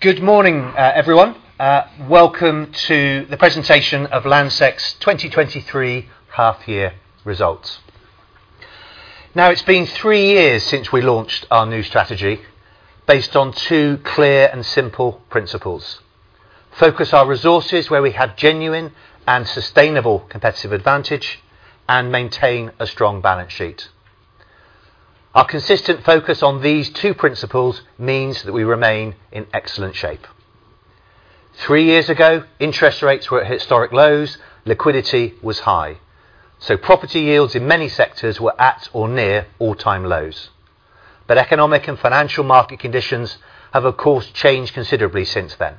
Good morning, everyone. Welcome to the presentation of Landsec's 2023 Half-Year Results. Now, it's been three years since we launched our new strategy, based on two clear and simple principles: Focus our resources where we have genuine and sustainable competitive advantage, and maintain a strong balance sheet. Our consistent focus on these two principles means that we remain in excellent shape. Three years ago, interest rates were at historic lows, liquidity was high, so property yields in many sectors were at or near all-time lows. But economic and financial market conditions have, of course, changed considerably since then.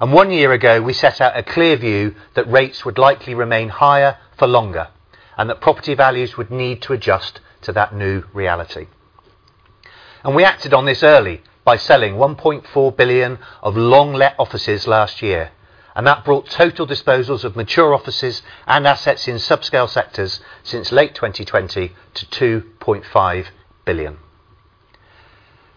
And one year ago, we set out a clear view that rates would likely remain higher for longer, and that property values would need to adjust to that new reality. And we acted on this early by selling 1.4 billion of long-let offices last year, and that brought total disposals of mature offices and assets in subscale sectors since late 2020 to 2.5 billion.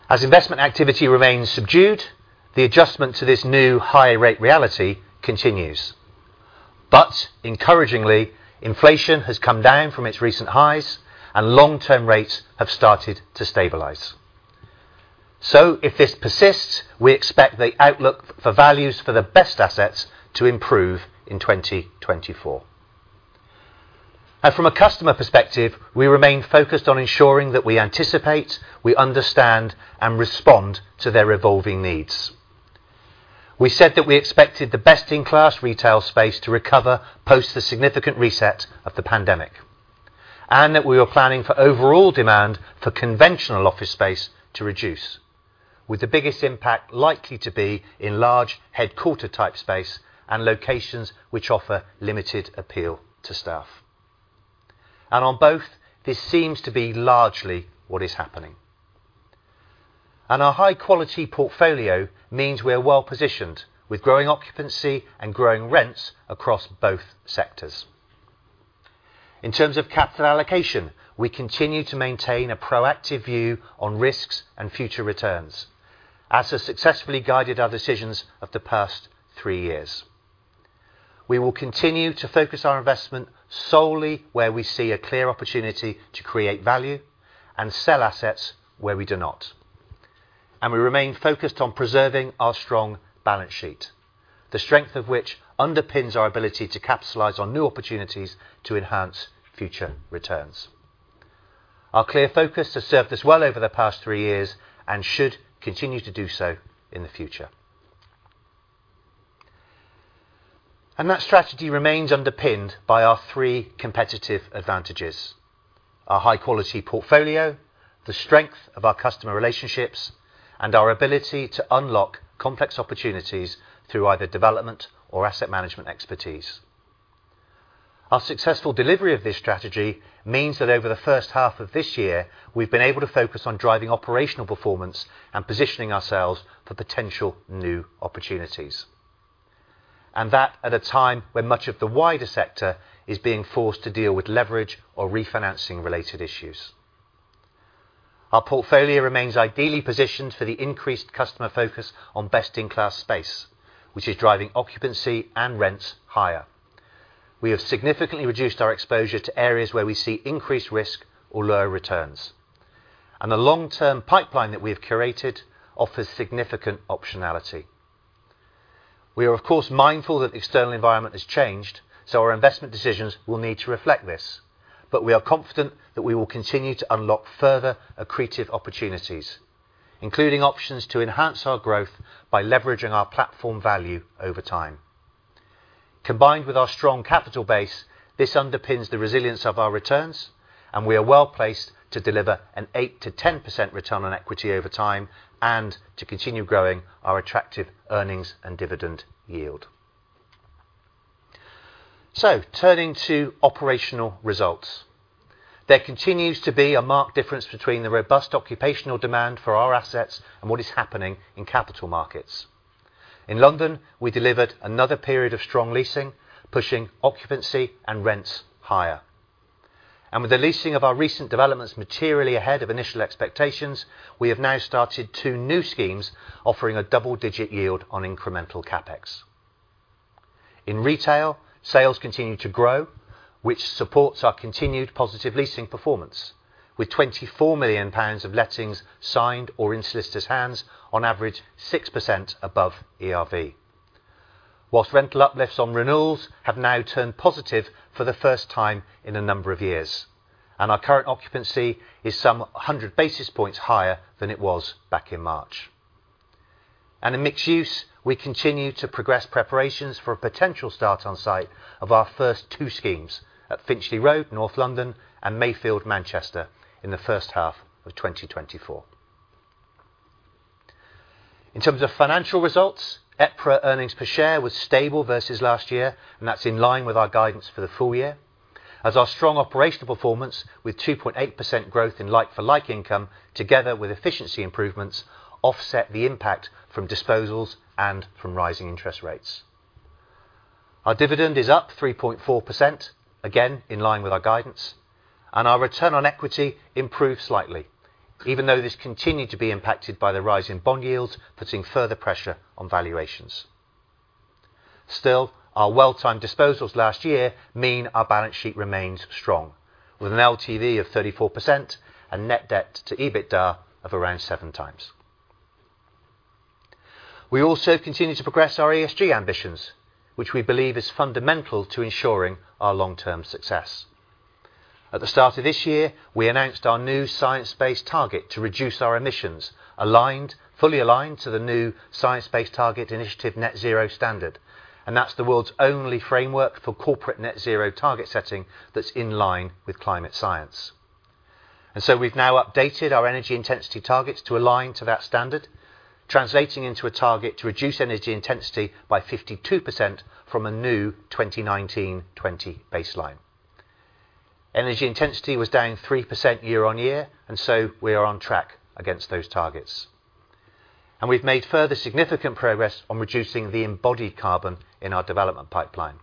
As investment activity remains subdued, the adjustment to this new high rate reality continues. But encouragingly, inflation has come down from its recent highs, and long-term rates have started to stabilize. So if this persists, we expect the outlook for values for the best assets to improve in 2024. And from a customer perspective, we remain focused on ensuring that we anticipate, we understand, and respond to their evolving needs. We said that we expected the best-in-class retail space to recover post the significant reset of the pandemic, and that we were planning for overall demand for conventional office space to reduce, with the biggest impact likely to be in large headquarter-type space and locations which offer limited appeal to staff. On both, this seems to be largely what is happening. Our high quality portfolio means we are well positioned with growing occupancy and growing rents across both sectors. In terms of capital allocation, we continue to maintain a proactive view on risks and future returns, as has successfully guided our decisions of the past three years. We will continue to focus our investment solely where we see a clear opportunity to create value and sell assets where we do not. We remain focused on preserving our strong balance sheet, the strength of which underpins our ability to capitalize on new opportunities to enhance future returns. Our clear focus has served us well over the past three years and should continue to do so in the future. That strategy remains underpinned by our three competitive advantages: our high quality portfolio, the strength of our customer relationships, and our ability to unlock complex opportunities through either development or asset management expertise. Our successful delivery of this strategy means that over the first half of this year, we've been able to focus on driving operational performance and positioning ourselves for potential new opportunities, and that at a time when much of the wider sector is being forced to deal with leverage or refinancing related issues. Our portfolio remains ideally positioned for the increased customer focus on best-in-class space, which is driving occupancy and rents higher. We have significantly reduced our exposure to areas where we see increased risk or lower returns, and the long-term pipeline that we have curated offers significant optionality. We are, of course, mindful that the external environment has changed, so our investment decisions will need to reflect this. But we are confident that we will continue to unlock further accretive opportunities, including options to enhance our growth by leveraging our platform value over time. Combined with our strong capital base, this underpins the resilience of our returns, and we are well placed to deliver an 8%-10% return on equity over time and to continue growing our attractive earnings and dividend yield. So, turning to operational results. There continues to be a marked difference between the robust occupational demand for our assets and what is happening in capital markets. In London, we delivered another period of strong leasing, pushing occupancy and rents higher. And with the leasing of our recent developments materially ahead of initial expectations, we have now started two new schemes, offering a double-digit yield on incremental CapEx. In retail, sales continue to grow, which supports our continued positive leasing performance, with 24 million pounds of lettings signed or in solicitor's hands, on average, 6% above ERV. While rental uplifts on renewals have now turned positive for the first time in a number of years, and our current occupancy is some 100 basis points higher than it was back in March. And in mixed use, we continue to progress preparations for a potential start on site of our first two schemes at Finchley Road, North London, and Mayfield, Manchester, in the first half of 2024. In terms of financial results, EPRA earnings per share was stable versus last year, and that's in line with our guidance for the full year, as our strong operational performance, with 2.8% growth in like-for-like income, together with efficiency improvements, offset the impact from disposals and from rising interest rates. Our dividend is up 3.4%, again, in line with our guidance, and our return on equity improved slightly, even though this continued to be impacted by the rise in bond yields, putting further pressure on valuations. Still, our well-timed disposals last year mean our balance sheet remains strong, with an LTV of 34% and net debt to EBITDA of around 7x. We also continue to progress our ESG ambitions, which we believe is fundamental to ensuring our long-term success. At the start of this year, we announced our new Science-Based Target to reduce our emissions, aligned, fully aligned to the new Science Based Targets initiative Net Zero Standard, and that's the world's only framework for corporate net zero target setting that's in line with climate science. And so we've now updated our energy intensity targets to align to that standard, translating into a target to reduce energy intensity by 52% from a new 2019/20 baseline. Energy intensity was down 3% year-on-year, and so we are on track against those targets. We've made further significant progress on reducing the embodied carbon in our development pipeline.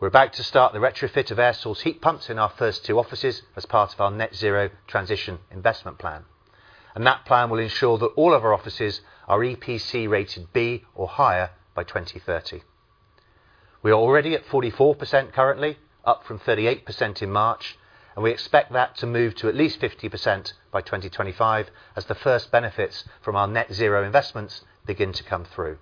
We're about to start the retrofit of air source heat pumps in our first two offices as part of our Net Zero Transition Investment Plan. That plan will ensure that all of our offices are EPC rated B or higher by 2030. We are already at 44% currently, up from 38% in March, and we expect that to move to at least 50% by 2025 as the first benefits from our Net Zero investments begin to come through.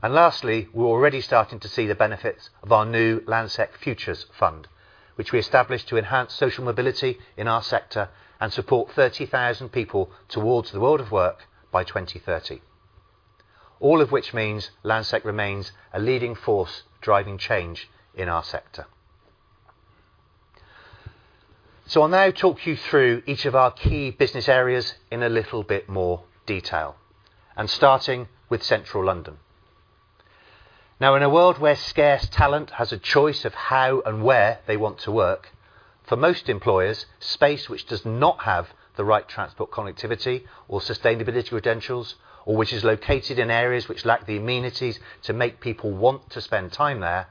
Lastly, we're already starting to see the benefits of our new Landsec Futures Fund, which we established to enhance social mobility in our sector and support 30,000 people towards the world of work by 2030. All of which means Landsec remains a leading force driving change in our sector. So I'll now talk you through each of our key business areas in a little bit more detail, and starting with Central London. Now, in a world where scarce talent has a choice of how and where they want to work, for most employers, space which does not have the right transport connectivity or sustainability credentials, or which is located in areas which lack the amenities to make people want to spend time there,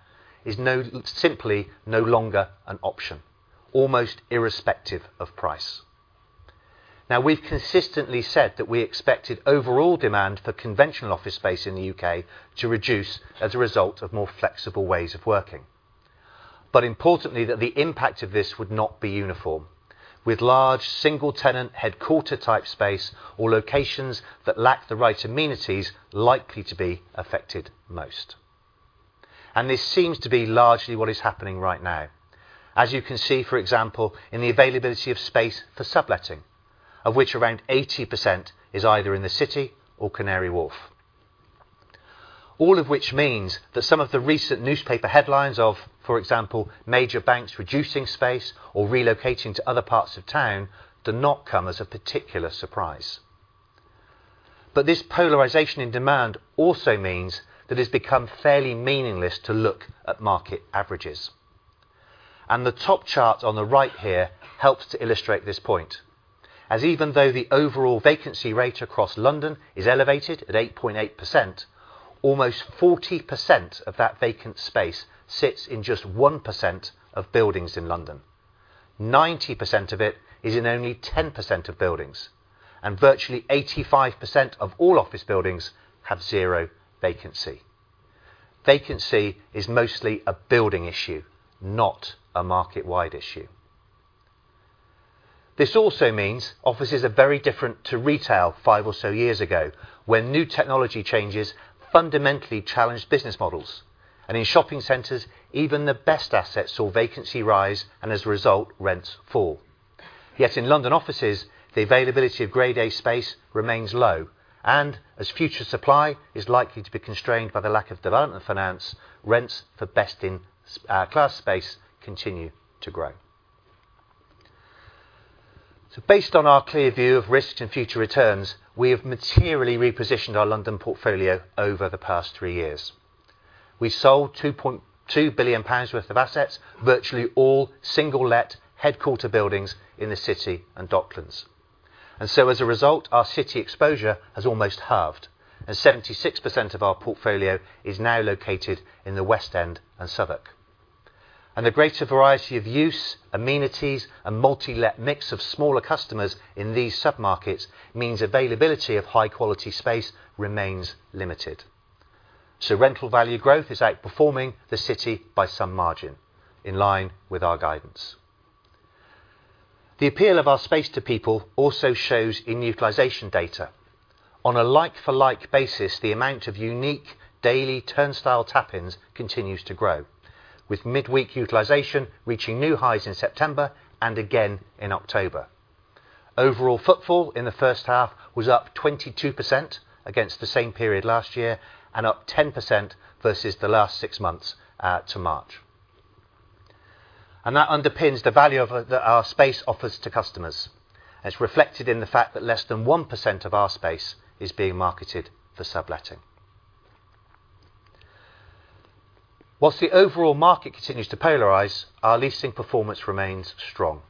is no, simply no longer an option, almost irrespective of price. Now, we've consistently said that we expected overall demand for conventional office space in the U.K. to reduce as a result of more flexible ways of working. But importantly, that the impact of this would not be uniform, with large single tenant headquarters-type space or locations that lack the right amenities likely to be affected most. And this seems to be largely what is happening right now, as you can see, for example, in the availability of space for subletting, of which around 80% is either in the City or Canary Wharf. All of which means that some of the recent newspaper headlines of, for example, major banks reducing space or relocating to other parts of town, do not come as a particular surprise. But this polarization in demand also means that it's become fairly meaningless to look at market averages. And the top chart on the right here helps to illustrate this point. As even though the overall vacancy rate across London is elevated at 8.8%, almost 40% of that vacant space sits in just 1% of buildings in London. 90% of it is in only 10% of buildings, and virtually 85% of all office buildings have zero vacancy. Vacancy is mostly a building issue, not a market-wide issue. This also means offices are very different to retail five or so years ago, when new technology changes fundamentally challenged business models, and in shopping centers, even the best assets saw vacancy rise and as a result, rents fall. Yet in London offices, the availability of grade A space remains low, and as future supply is likely to be constrained by the lack of development finance, rents for best in class space continue to grow. So based on our clear view of risk and future returns, we have materially repositioned our London portfolio over the past three years. We sold 2.2 billion pounds worth of assets, virtually all single-let headquarter buildings in the City and Docklands. And so as a result, our City exposure has almost halved, and 76% of our portfolio is now located in the West End and Southwark. And the greater variety of use, amenities, and multi-let mix of smaller customers in these submarkets means availability of high-quality space remains limited. So rental value growth is outperforming the City by some margin, in line with our guidance. The appeal of our space to people also shows in utilization data. On a like for like basis, the amount of unique daily turnstile tap-ins continues to grow, with midweek utilization reaching new highs in September and again in October. Overall footfall in the first half was up 22% against the same period last year and up 10% versus the last six months to March. That underpins the value of that our space offers to customers. It's reflected in the fact that less than 1% of our space is being marketed for subletting. While the overall market continues to polarize, our leasing performance remains strong.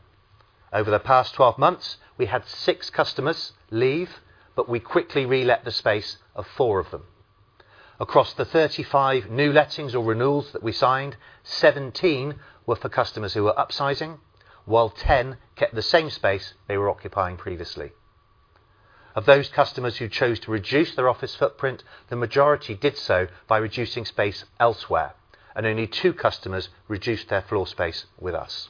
Over the past 12 months, we had 6 customers leave, but we quickly relet the space of four of them. Across the 35 new lettings or renewals that we signed, 17 were for customers who were upsizing, while 10 kept the same space they were occupying previously. Of those customers who chose to reduce their office footprint, the majority did so by reducing space elsewhere, and only two customers reduced their floor space with us.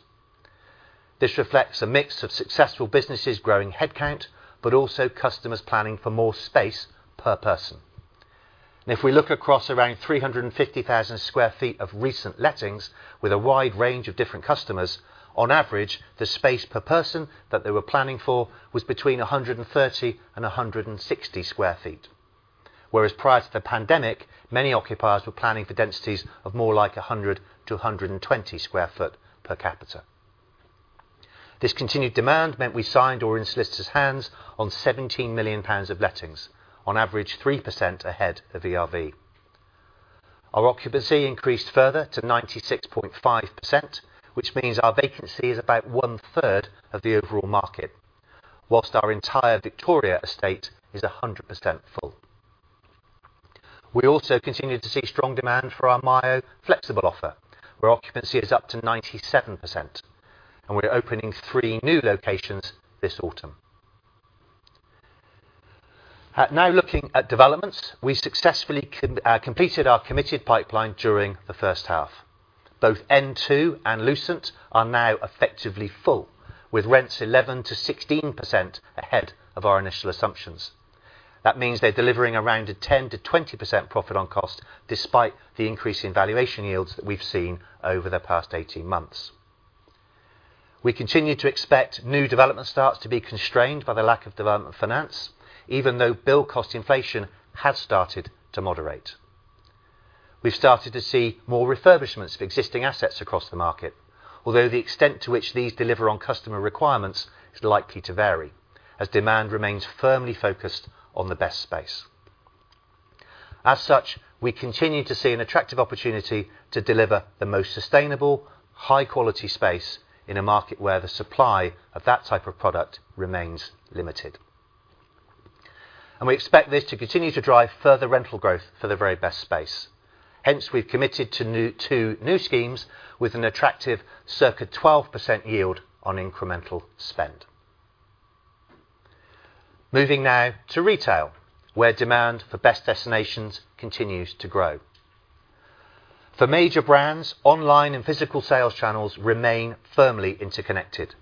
This reflects a mix of successful businesses growing headcount, but also customers planning for more space per person. And if we look across around 350,000 sq ft of recent lettings with a wide range of different customers, on average, the space per person that they were planning for was between 130 and 160 sq ft. Whereas prior to the pandemic, many occupiers were planning for densities of more like 100 to 120 sq ft per capita. This continued demand meant we signed or in solicitor's hands on 17 million pounds of lettings, on average, 3% ahead of ERV. Our occupancy increased further to 96.5%, which means our vacancy is about one third of the overall market, whilst our entire Victoria estate is 100% full. We also continued to see strong demand for our Myo flexible offer, where occupancy is up to 97%, and we're opening three new locations this autumn. Now looking at developments, we successfully completed our committed pipeline during the first half. Both N2 and Lucent are now effectively full, with rents 11%-16% ahead of our initial assumptions. That means they're delivering around a 10%-20% profit on cost, despite the increase in valuation yields that we've seen over the past 18 months. We continue to expect new development starts to be constrained by the lack of development finance, even though build cost inflation has started to moderate. We've started to see more refurbishments of existing assets across the market, although the extent to which these deliver on customer requirements is likely to vary, as demand remains firmly focused on the best space. As such, we continue to see an attractive opportunity to deliver the most sustainable, high quality space in a market where the supply of that type of product remains limited. And we expect this to continue to drive further rental growth for the very best space. Hence, we've committed to two new schemes with an attractive circa 12% yield on incremental spend. Moving now to retail, where demand for best destinations continues to grow. For major brands, online and physical sales channels remain firmly interconnected.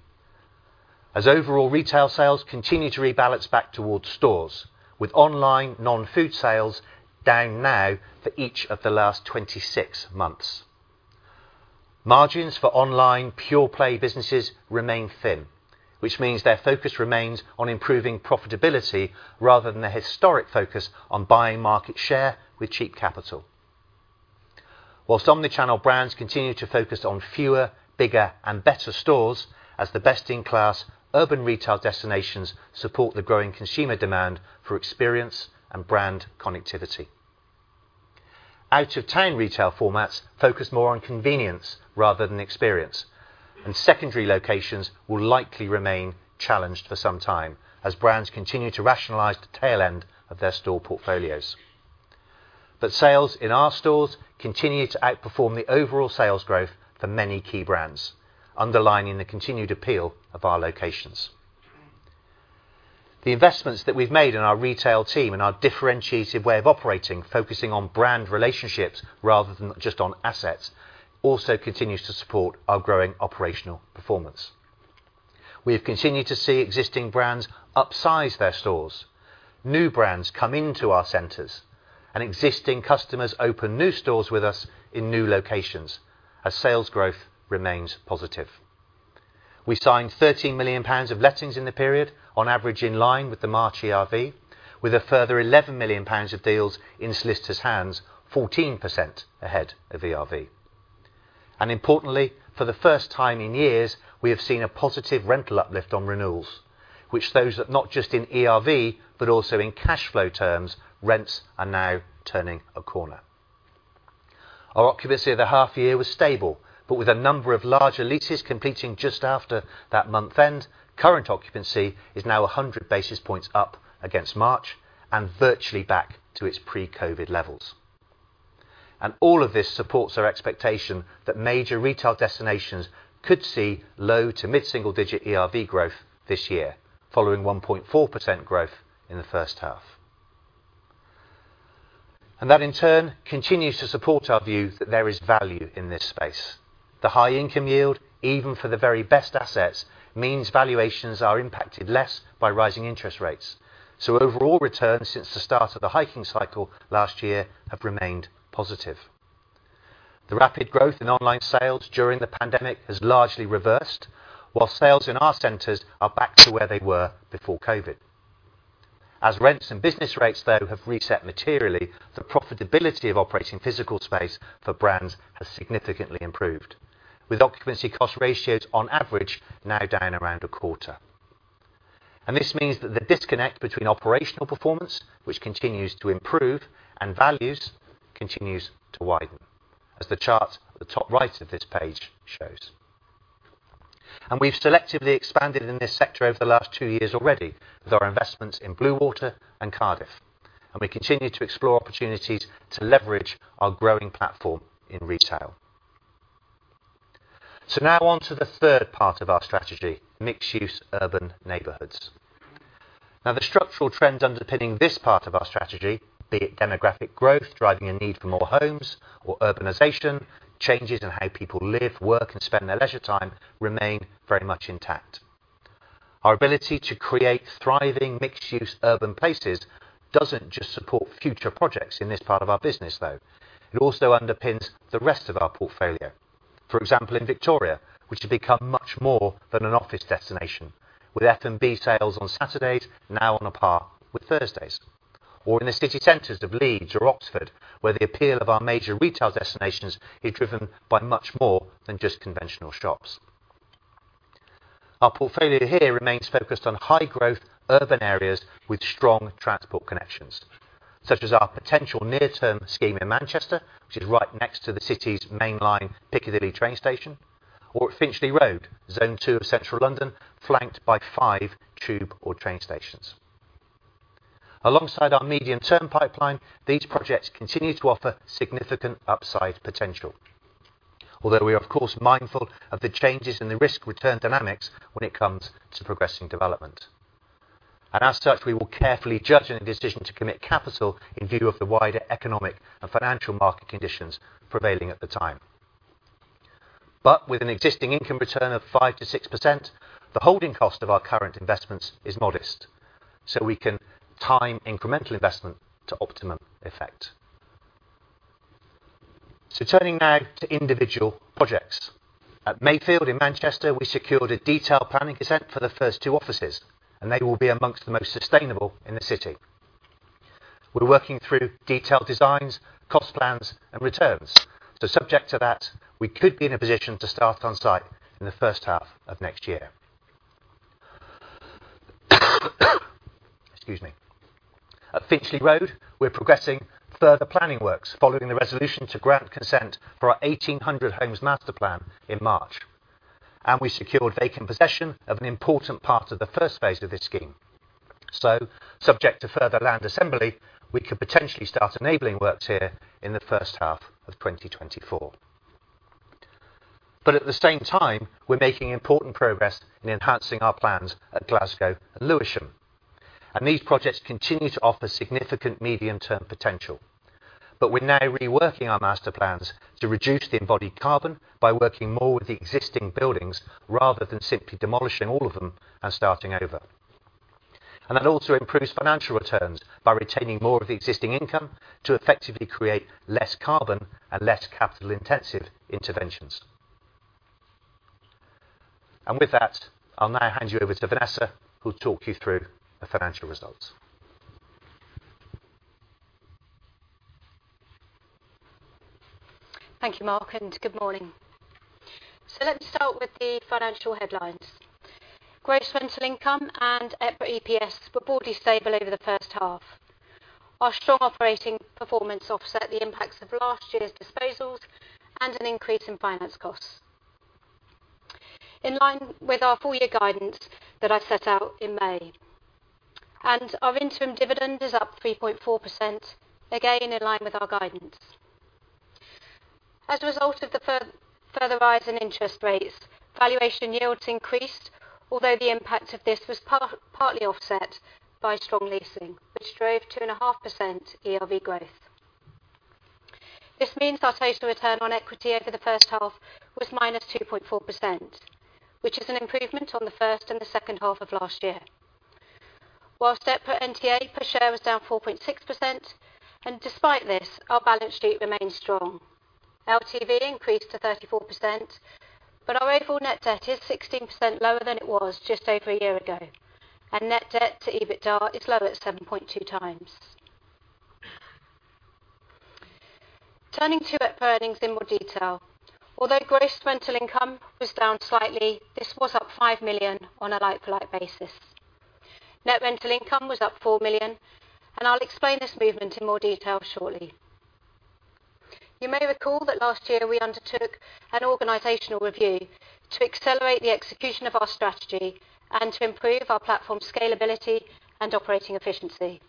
As overall retail sales continue to rebalance back towards stores, with online non-food sales down now for each of the last 26 months. Margins for online pure play businesses remain thin, which means their focus remains on improving profitability rather than the historic focus on buying market share with cheap capital. While omnichannel brands continue to focus on fewer, bigger and better stores, as the best-in-class urban retail destinations support the growing consumer demand for experience and brand connectivity. Out-of-town retail formats focus more on convenience rather than experience, and secondary locations will likely remain challenged for some time as brands continue to rationalize the tail end of their store portfolios. But sales in our stores continue to outperform the overall sales growth for many key brands, underlining the continued appeal of our locations. The investments that we've made in our retail team and our differentiated way of operating, focusing on brand relationships rather than just on assets, also continues to support our growing operational performance. We have continued to see existing brands upsize their stores, new brands come into our centers, and existing customers open new stores with us in new locations as sales growth remains positive. We signed 13 million pounds of lettings in the period, on average, in line with the March ERV, with a further 11 million pounds of deals in solicitor's hands, 14% ahead of ERV. Importantly, for the first time in years, we have seen a positive rental uplift on renewals, which shows that not just in ERV, but also in cash flow terms, rents are now turning a corner. Our occupancy of the half year was stable, but with a number of large leases completing just after that month end, current occupancy is now 100 basis points up against March and virtually back to its pre-COVID levels. All of this supports our expectation that major retail destinations could see low- to mid-single-digit ERV growth this year, following 1.4% growth in the first half. And that, in turn, continues to support our view that there is value in this space. The high income yield, even for the very best assets, means valuations are impacted less by rising interest rates. So overall returns since the start of the hiking cycle last year have remained positive. The rapid growth in online sales during the pandemic has largely reversed, while sales in our centers are back to where they were before COVID. As rents and business rates, though, have reset materially, the profitability of operating physical space for brands has significantly improved, with occupancy cost ratios, on average, now down around a quarter... And this means that the disconnect between operational performance, which continues to improve, and values continues to widen, as the chart at the top right of this page shows. We've selectively expanded in this sector over the last two years already, with our investments in Bluewater and Cardiff, and we continue to explore opportunities to leverage our growing platform in retail. Now on to the third part of our strategy, mixed-use urban neighborhoods. Now, the structural trend underpinning this part of our strategy, be it demographic growth, driving a need for more homes, or urbanization, changes in how people live, work, and spend their leisure time, remain very much intact. Our ability to create thriving, mixed-use urban places doesn't just support future projects in this part of our business, though. It also underpins the rest of our portfolio. For example, in Victoria, which has become much more than an office destination, with F&B sales on Saturdays now on a par with Thursdays, or in the city centers of Leeds or Oxford, where the appeal of our major retail destinations is driven by much more than just conventional shops. Our portfolio here remains focused on high-growth, urban areas with strong transport connections, such as our potential near-term scheme in Manchester, which is right next to the city's mainline Piccadilly train station, or at Finchley Road, zone two of central London, flanked by five tube or train stations. Alongside our medium-term pipeline, these projects continue to offer significant upside potential. Although we are, of course, mindful of the changes in the risk-return dynamics when it comes to progressing development. And as such, we will carefully judge any decision to commit capital in view of the wider economic and financial market conditions prevailing at the time. But with an existing income return of 5%-6%, the holding cost of our current investments is modest, so we can time incremental investment to optimum effect. So turning now to individual projects. At Mayfield, in Manchester, we secured a detailed planning consent for the first two offices, and they will be among the most sustainable in the city. We're working through detailed designs, cost plans, and returns. So subject to that, we could be in a position to start on site in the first half of next year. Excuse me. At Finchley Road, we're progressing further planning works following the resolution to grant consent for our 1,800 homes master plan in March. We secured vacant possession of an important part of the first phase of this scheme. Subject to further land assembly, we could potentially start enabling works here in the first half of 2024. But at the same time, we're making important progress in enhancing our plans at Glasgow and Lewisham, and these projects continue to offer significant medium-term potential. But we're now reworking our master plans to reduce the embodied carbon by working more with the existing buildings, rather than simply demolishing all of them and starting over. And that also improves financial returns by retaining more of the existing income to effectively create less carbon and less capital-intensive interventions. And with that, I'll now hand you over to Vanessa, who'll talk you through the financial results. Thank you, Mark, and good morning. So let's start with the financial headlines. Great rental income and EPRA EPS were broadly stable over the first half. Our strong operating performance offset the impacts of last year's disposals and an increase in finance costs. In line with our full-year guidance that I set out in May, and our interim dividend is up 3.4%, again, in line with our guidance. As a result of the further rise in interest rates, valuation yields increased, although the impact of this was partly offset by strong leasing, which drove 2.5% ERV growth. This means our total return on equity over the first half was -2.4%, which is an improvement on the first and the second half of last year. While EPRA NTA per share was down 4.6%, and despite this, our balance sheet remains strong. LTV increased to 34%, but our overall net debt is 16% lower than it was just over a year ago, and net debt to EBITDA is lower at 7.2x. Turning to EPRA earnings in more detail. Although gross rental income was down slightly, this was up 5 million on a like-for-like basis. Net rental income was up 4 million, and I'll explain this movement in more detail shortly. You may recall that last year we undertook an organizational review to accelerate the execution of our strategy and to improve our platform scalability and operating efficiency.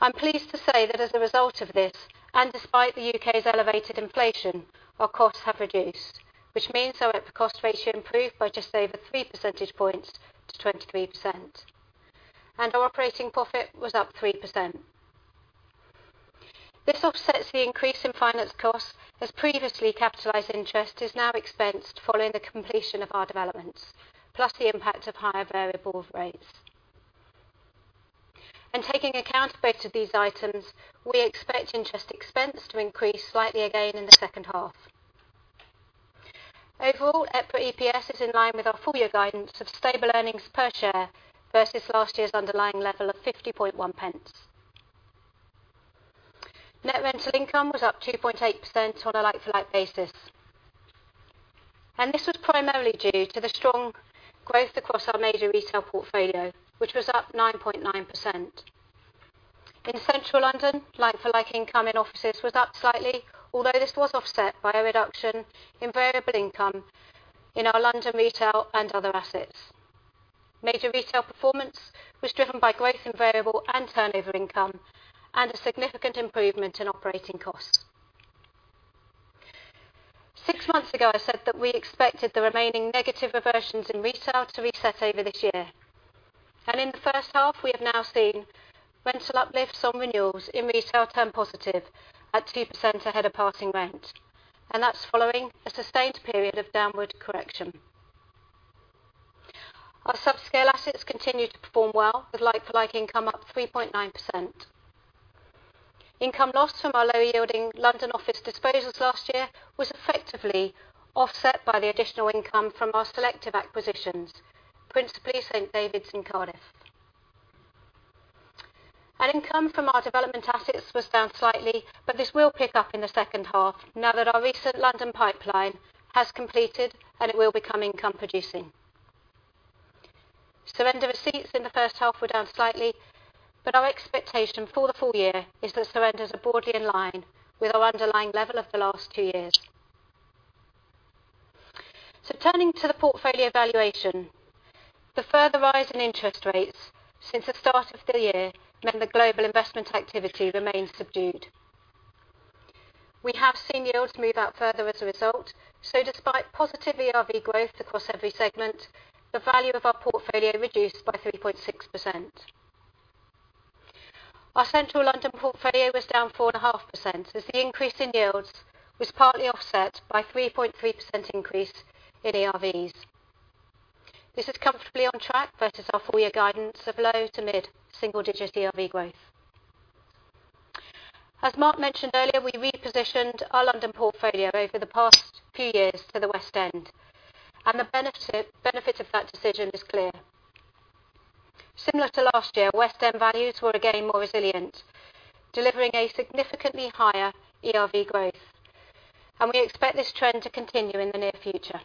I'm pleased to say that as a result of this, and despite the U.K.'s elevated inflation, our costs have reduced, which means our EPRA cost ratio improved by just over 3 percentage points to 23%, and our operating profit was up 3%. This offsets the increase in finance costs, as previously capitalized interest is now expensed following the completion of our developments, plus the impact of higher variable rates. Taking account both of these items, we expect interest expense to increase slightly again in the second half. Overall, EPRA EPS is in line with our full-year guidance of stable earnings per share versus last year's underlying level of 0.501. Net rental income was up 2.8% on a like-for-like basis. This was primarily due to the strong growth across our major retail portfolio, which was up 9.9%. In central London, like-for-like income in offices was up slightly, although this was offset by a reduction in variable income in our London retail and other assets. Major retail performance was driven by growth in variable and turnover income, and a significant improvement in operating costs. Six months ago, I said that we expected the remaining negative reversions in retail to reset over this year, and in the first half, we have now seen rental uplifts on renewals in retail turn positive at 2% ahead of passing rent, and that's following a sustained period of downward correction. Our sub-scale assets continued to perform well, with like-for-like income up 3.9%. Income loss from our low-yielding London office disposals last year was effectively offset by the additional income from our selective acquisitions, principally St David's in Cardiff. Income from our development assets was down slightly, but this will pick up in the second half now that our recent London pipeline has completed and it will become income producing. Surrender receipts in the first half were down slightly, but our expectation for the full year is that surrenders are broadly in line with our underlying level of the last two years. So turning to the portfolio valuation, the further rise in interest rates since the start of the year meant the global investment activity remains subdued. We have seen yields move out further as a result, so despite positive ERV growth across every segment, the value of our portfolio reduced by 3.6%. Our central London portfolio was down 4.5%, as the increase in yields was partly offset by 3.3% increase in ERVs. This is comfortably on track versus our full year guidance of low to mid-single digit ERV growth. As Mark mentioned earlier, we repositioned our London portfolio over the past few years to the West End, and the benefit of that decision is clear. Similar to last year, West End values were again more resilient, delivering a significantly higher ERV growth, and we expect this trend to continue in the near future.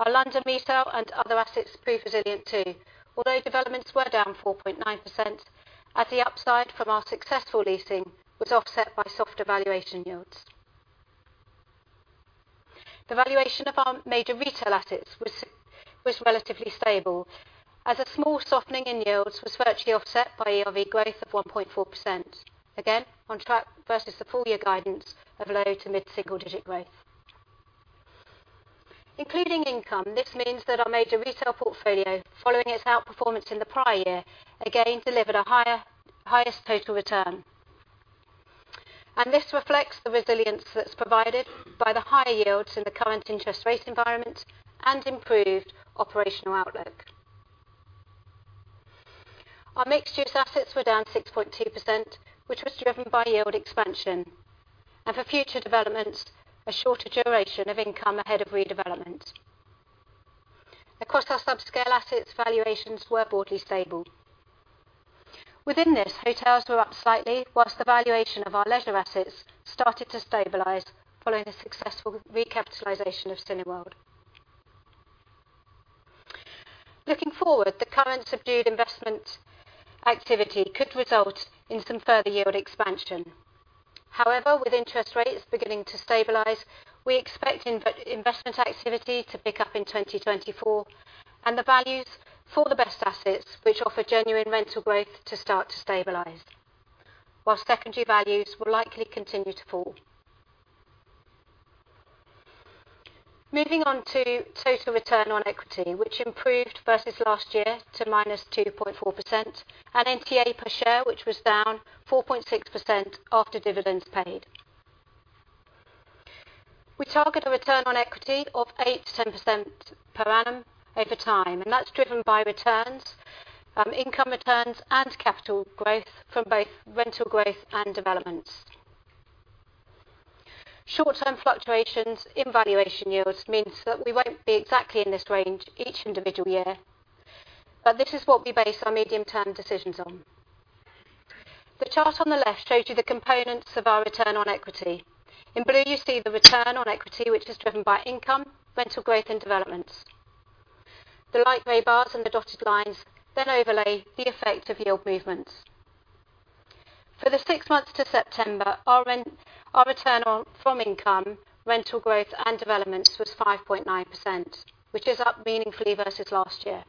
Our London retail and other assets proved resilient, too, although developments were down 4.9%, as the upside from our successful leasing was offset by softer valuation yields. The valuation of our major retail assets was relatively stable, as a small softening in yields was virtually offset by ERV growth of 1.4%. Again, on track versus the full year guidance of low to mid-single digit growth. Including income, this means that our major retail portfolio, following its outperformance in the prior year, again delivered a highest total return. This reflects the resilience that's provided by the higher yields in the current interest rate environment and improved operational outlook. Our mixed-use assets were down 6.2%, which was driven by yield expansion, and for future developments, a shorter duration of income ahead of redevelopment. Across our sub-scale assets, valuations were broadly stable. Within this, hotels were up slightly, while the valuation of our leisure assets started to stabilize following the successful recapitalization of Cineworld. Looking forward, the current subdued investment activity could result in some further yield expansion. However, with interest rates beginning to stabilize, we expect investment activity to pick up in 2024, and the values for the best assets, which offer genuine rental growth, to start to stabilize, while secondary values will likely continue to fall. Moving on to total return on equity, which improved versus last year to -2.4%, and NTA per share, which was down 4.6% after dividends paid. We target a return on equity of 8%-10% per annum over time, and that's driven by returns, income returns and capital growth from both rental growth and developments. Short-term fluctuations in valuation yields means that we won't be exactly in this range each individual year, but this is what we base our medium-term decisions on. The chart on the left shows you the components of our return on equity. In blue, you see the return on equity, which is driven by income, rental growth, and developments. The light gray bars and the dotted lines then overlay the effect of yield movements. For the six months to September, our return on income, rental growth, and developments was 5.9%, which is up meaningfully versus last year.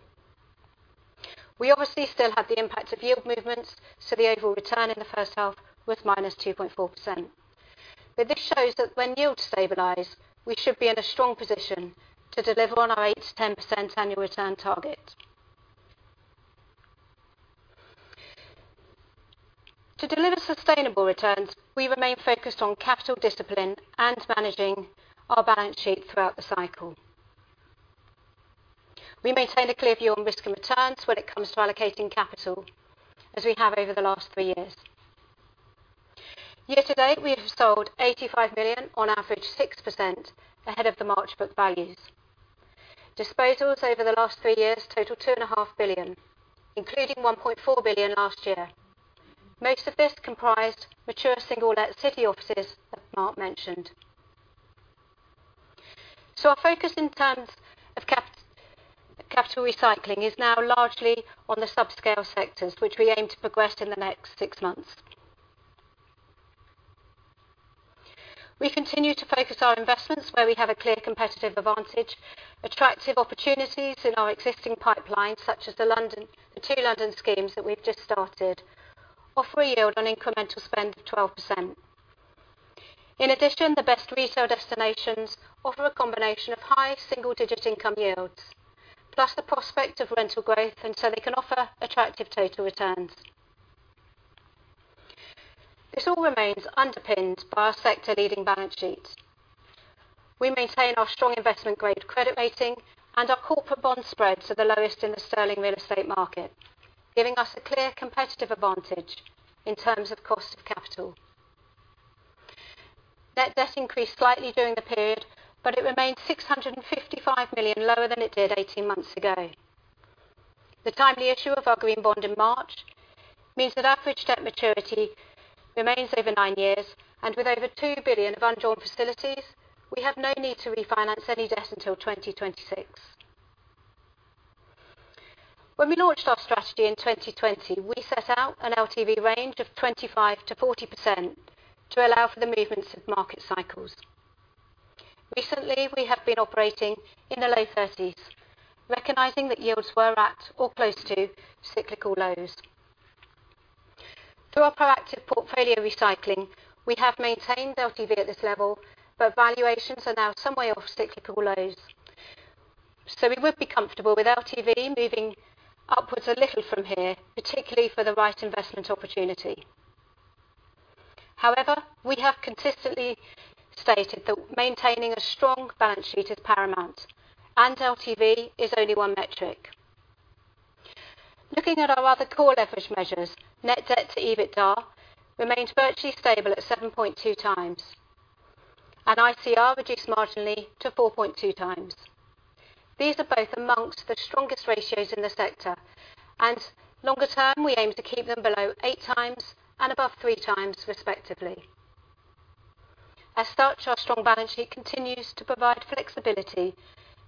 We obviously still have the impact of yield movements, so the overall return in the first half was -2.4%. This shows that when yields stabilize, we should be in a strong position to deliver on our 8%-10% annual return target. To deliver sustainable returns, we remain focused on capital discipline and managing our balance sheet throughout the cycle. We maintain a clear view on risk and returns when it comes to allocating capital, as we have over the last three years. Year to date, we have sold 85 million, on average, 6% ahead of the March book values. Disposals over the last three years total 2.5 billion, including 1.4 billion last year. Most of this comprised mature single let city offices, as Mark mentioned. So our focus in terms of capital recycling is now largely on the subscale sectors, which we aim to progress in the next six months. We continue to focus our investments where we have a clear competitive advantage, attractive opportunities in our existing pipeline, such as the two London schemes that we've just started, offer a yield on incremental spend of 12%. In addition, the best retail destinations offer a combination of high single-digit income yields, plus the prospect of rental growth, and so they can offer attractive total returns. This all remains underpinned by our sector-leading balance sheets. We maintain our strong investment-grade credit rating, and our corporate bond spreads are the lowest in the sterling real estate market, giving us a clear competitive advantage in terms of cost of capital. Net debt increased slightly during the period, but it remains 655 million lower than it did eighteen months ago. The timely issue of our green bond in March means that average debt maturity remains over nine years, and with over 2 billion of undrawn facilities, we have no need to refinance any debt until 2026. When we launched our strategy in 2020, we set out an LTV range of 25%-40% to allow for the movements of market cycles. Recently, we have been operating in the low 30s, recognizing that yields were at or close to cyclical lows. Through our proactive portfolio recycling, we have maintained LTV at this level, but valuations are now some way off cyclical lows. So we would be comfortable with LTV moving upwards a little from here, particularly for the right investment opportunity. However, we have consistently stated that maintaining a strong balance sheet is paramount, and LTV is only one metric. Looking at our other core leverage measures, net debt to EBITDA remains virtually stable at 7.2 times, and ICR reduced marginally to 4.2 times. These are both amongst the strongest ratios in the sector, and longer term, we aim to keep them below 8 times and above 3 times, respectively. As such, our strong balance sheet continues to provide flexibility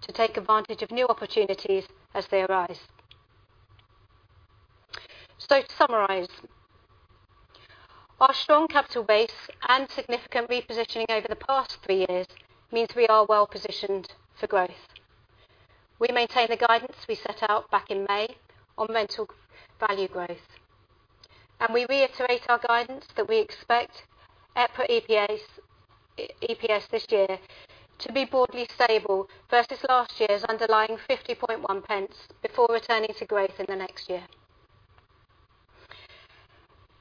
to take advantage of new opportunities as they arise. To summarize, our strong capital base and significant repositioning over the past three years means we are well positioned for growth. We maintain the guidance we set out back in May on rental value growth, and we reiterate our guidance that we expect EPRA EPS this year to be broadly stable versus last year's underlying 0.501, before returning to growth in the next year.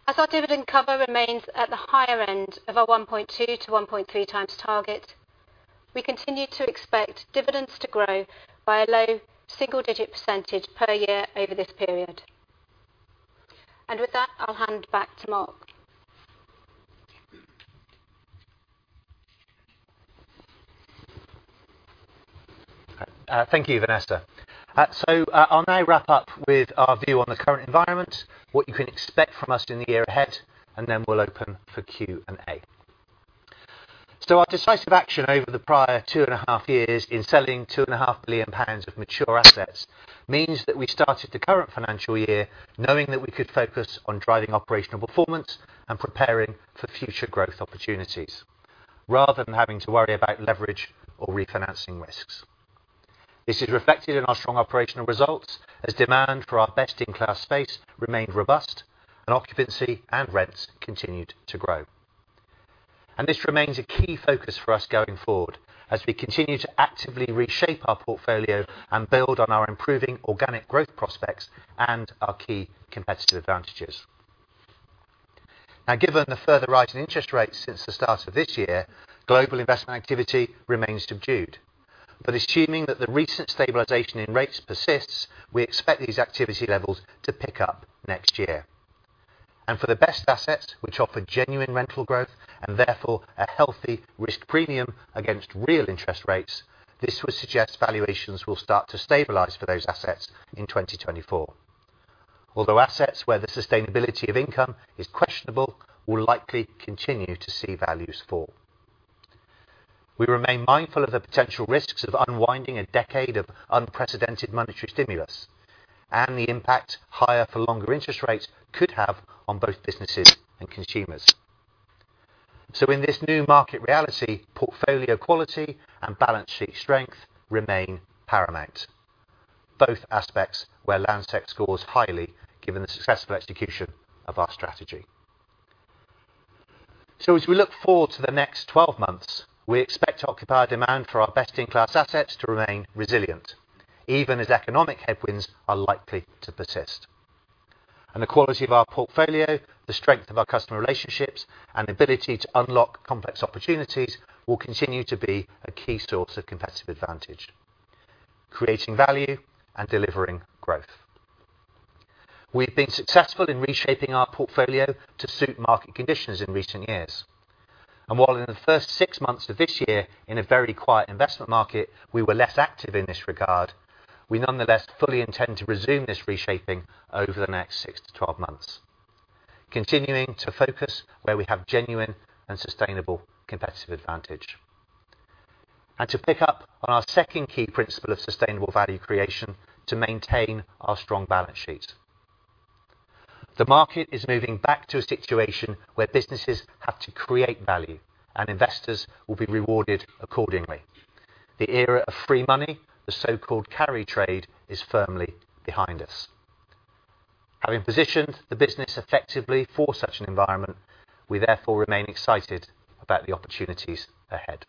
As our dividend cover remains at the higher end of our 1.2-1.3 times target, we continue to expect dividends to grow by a low single-digit % per year over this period. With that, I'll hand back to Mark. Thank you, Vanessa. So, I'll now wrap up with our view on the current environment, what you can expect from us in the year ahead, and then we'll open for Q&A. So our decisive action over the prior two and a half years in selling 2.5 billion pounds of mature assets means that we started the current financial year knowing that we could focus on driving operational performance and preparing for future growth opportunities, rather than having to worry about leverage or refinancing risks. This is reflected in our strong operational results, as demand for our best-in-class space remained robust, and occupancy and rents continued to grow. And this remains a key focus for us going forward, as we continue to actively reshape our portfolio and build on our improving organic growth prospects and our key competitive advantages. Now, given the further rise in interest rates since the start of this year, global investment activity remains subdued. But assuming that the recent stabilization in rates persists, we expect these activity levels to pick up next year. For the best assets, which offer genuine rental growth and therefore a healthy risk premium against real interest rates, this would suggest valuations will start to stabilize for those assets in 2024. Although assets where the sustainability of income is questionable, will likely continue to see values fall. We remain mindful of the potential risks of unwinding a decade of unprecedented monetary stimulus and the impact higher for longer interest rates could have on both businesses and consumers. In this new market reality, portfolio quality and balance sheet strength remain paramount. Both aspects where Landsec scores highly, given the successful execution of our strategy. As we look forward to the next 12 months, we expect occupier demand for our best-in-class assets to remain resilient, even as economic headwinds are likely to persist. The quality of our portfolio, the strength of our customer relationships, and ability to unlock complex opportunities will continue to be a key source of competitive advantage, creating value and delivering growth.... We've been successful in reshaping our portfolio to suit market conditions in recent years. While in the first six months of this year, in a very quiet investment market, we were less active in this regard, we nonetheless fully intend to resume this reshaping over the next 6-12 months, continuing to focus where we have genuine and sustainable competitive advantage. To pick up on our second key principle of sustainable value creation, to maintain our strong balance sheet. The market is moving back to a situation where businesses have to create value, and investors will be rewarded accordingly. The era of free money, the so-called carry trade, is firmly behind us. Having positioned the business effectively for such an environment, we therefore remain excited about the opportunities ahead.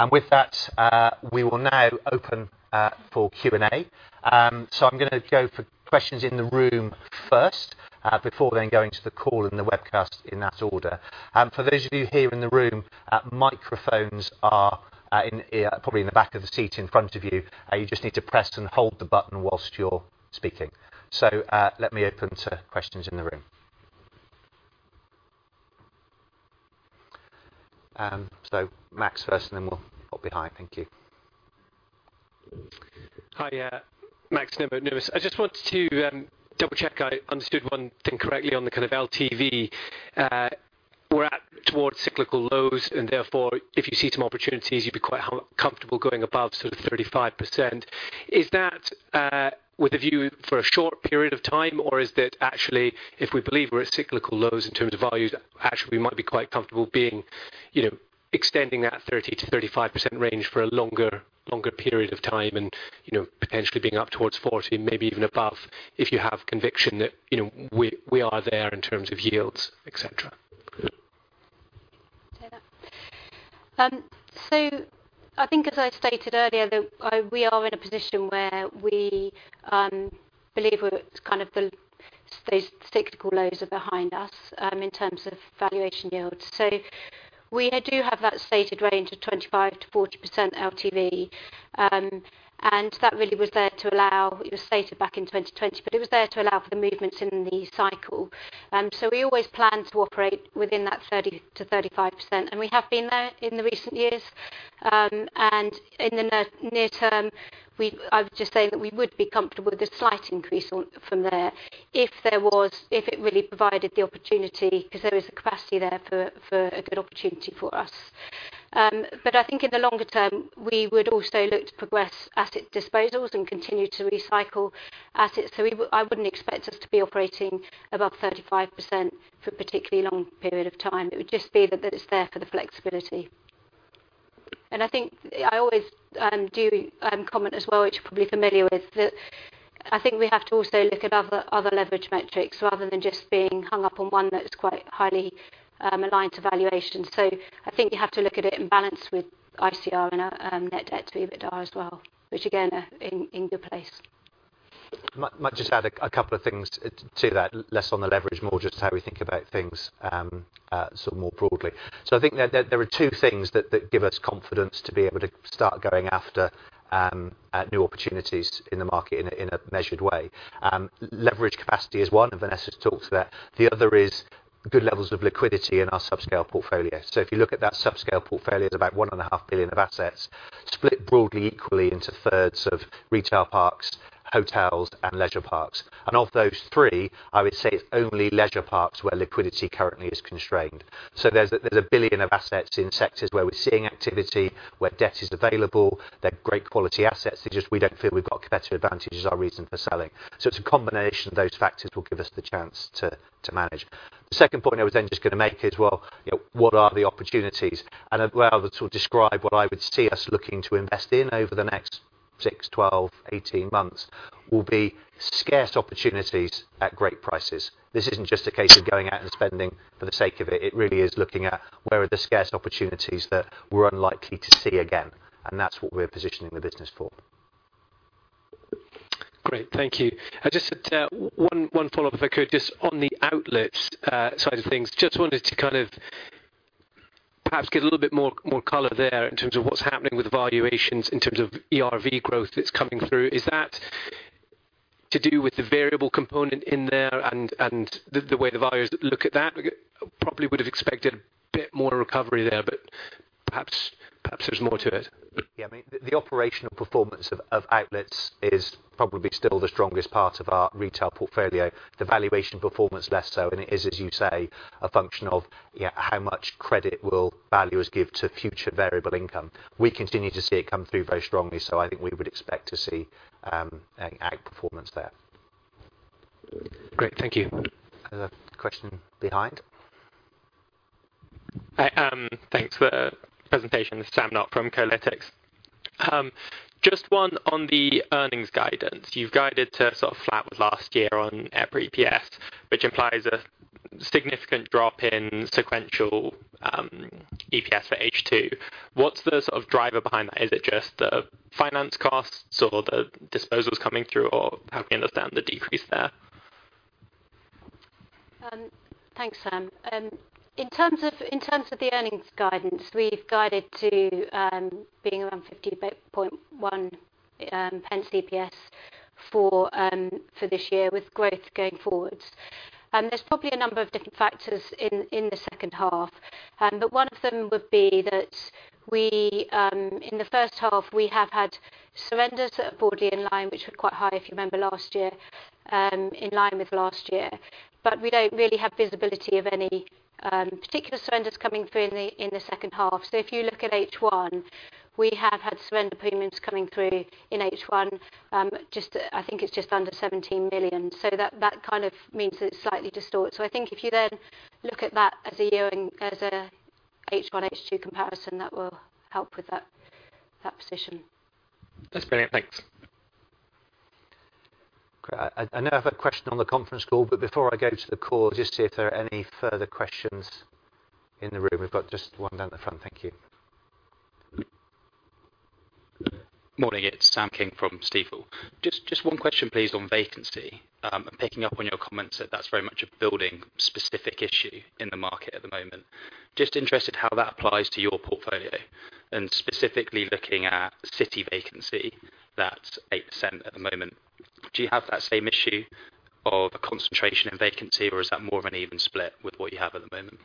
And with that, we will now open for Q&A. So I'm gonna go for questions in the room first, before then going to the call and the webcast in that order. For those of you here in the room, microphones are in, probably in the back of the seat in front of you. You just need to press and hold the button while you're speaking. So, let me open to questions in the room. So Max first, and then we'll pop behind. Thank you. Hi, yeah, Max Nimmo, Numis. I just wanted to double-check I understood one thing correctly on the kind of LTV. We're at towards cyclical lows, and therefore, if you see some opportunities, you'd be quite comfortable going above sort of 35%. Is that with a view for a short period of time, or is that actually, if we believe we're at cyclical lows in terms of values, actually, we might be quite comfortable being, you know, extending that 30%-35% range for a longer, longer period of time and, you know, potentially being up towards 40, maybe even above, if you have conviction that, you know, we, we are there in terms of yields, et cetera? So I think, as I stated earlier, that I, we are in a position where we, believe we're, kind of the, those cyclical lows are behind us, in terms of valuation yields. So we do have that stated range of 25%-40% LTV, and that really was there to allow, it was stated back in 2020, but it was there to allow for the movements in the cycle. So we always plan to operate within that 30%-35%, and we have been there in the recent years. And in the near term, we, I would just say that we would be comfortable with a slight increase on, from there, if there was, if it really provided the opportunity, 'cause there is a capacity there for, for a good opportunity for us. But I think in the longer term, we would also look to progress asset disposals and continue to recycle assets. So I wouldn't expect us to be operating above 35% for a particularly long period of time. It would just be that it's there for the flexibility. And I think I always do comment as well, which you're probably familiar with, that I think we have to also look at other leverage metrics rather than just being hung up on one that is quite highly aligned to valuation. So I think you have to look at it in balance with ICR and net debt to EBITDA as well, which again are in good place. Might just add a couple of things to that, less on the leverage, more just how we think about things, sort of more broadly. So I think there are two things that give us confidence to be able to start going after new opportunities in the market in a measured way. Leverage capacity is one, and Vanessa's talked to that. The other is good levels of liquidity in our subscale portfolio. So if you look at that subscale portfolio, there's about 1.5 billion of assets, split broadly equally into thirds of retail parks, hotels, and leisure parks. And of those three, I would say it's only leisure parks where liquidity currently is constrained. So there's 1 billion of assets in sectors where we're seeing activity, where debt is available. They're great quality assets. It's just we don't feel we've got competitive advantage as our reason for selling. So it's a combination of those factors will give us the chance to manage. The second point I was then just gonna make is, well, you know, what are the opportunities? Well, to sort of describe what I would see us looking to invest in over the next 6, 12, 18 months, will be scarce opportunities at great prices. This isn't just a case of going out and spending for the sake of it. It really is looking at where are the scarce opportunities that we're unlikely to see again, and that's what we're positioning the business for. Great, thank you. I just had one follow-up, if I could, just on the outlets side of things. Just wanted to kind of perhaps get a little bit more color there in terms of what's happening with valuations, in terms of ERV growth that's coming through. Is that to do with the variable component in there and the way the buyers look at that? Probably would have expected a bit more recovery there, but perhaps there's more to it. Yeah, I mean, the operational performance of outlets is probably still the strongest part of our retail portfolio, the valuation performance less so, and it is, as you say, a function of, yeah, how much credit will valuers give to future variable income. We continue to see it come through very strongly, so I think we would expect to see an outperformance there. Great, thank you. Another question behind. Hi, thanks for the presentation. Sam Knock from Kolytics. Just one on the earnings guidance. You've guided to sort of flat with last year on EPRA EPS, which implies a significant drop in sequential EPS for H2. What's the sort of driver behind that? Is it just the finance costs or the disposals coming through, or help me understand the decrease there?... Thanks, Sam. In terms of the earnings guidance, we've guided to being around 50.1 pence EPS for this year with growth going forwards. There's probably a number of different factors in the second half. But one of them would be that we in the first half, we have had surrenders broadly in line, which were quite high, if you remember, last year in line with last year. But we don't really have visibility of any particular surrenders coming through in the second half. So if you look at H1, we have had surrender premiums coming through in H1. Just, I think it's just under 17 million. So that kind of means that it's slightly distorted. I think if you then look at that as a year, and as a H1, H2 comparison, that will help with that, that position. That's brilliant. Thanks. Great. I know I've a question on the conference call, but before I go to the call, just see if there are any further questions in the room. We've got just one down the front. Thank you. Morning, it's Sam King from Stifel. Just one question, please, on vacancy. Picking up on your comments that that's very much a building-specific issue in the market at the moment. Just interested how that applies to your portfolio, and specifically looking at city vacancy, that's 8% at the moment. Do you have that same issue of a concentration in vacancy, or is that more of an even split with what you have at the moment?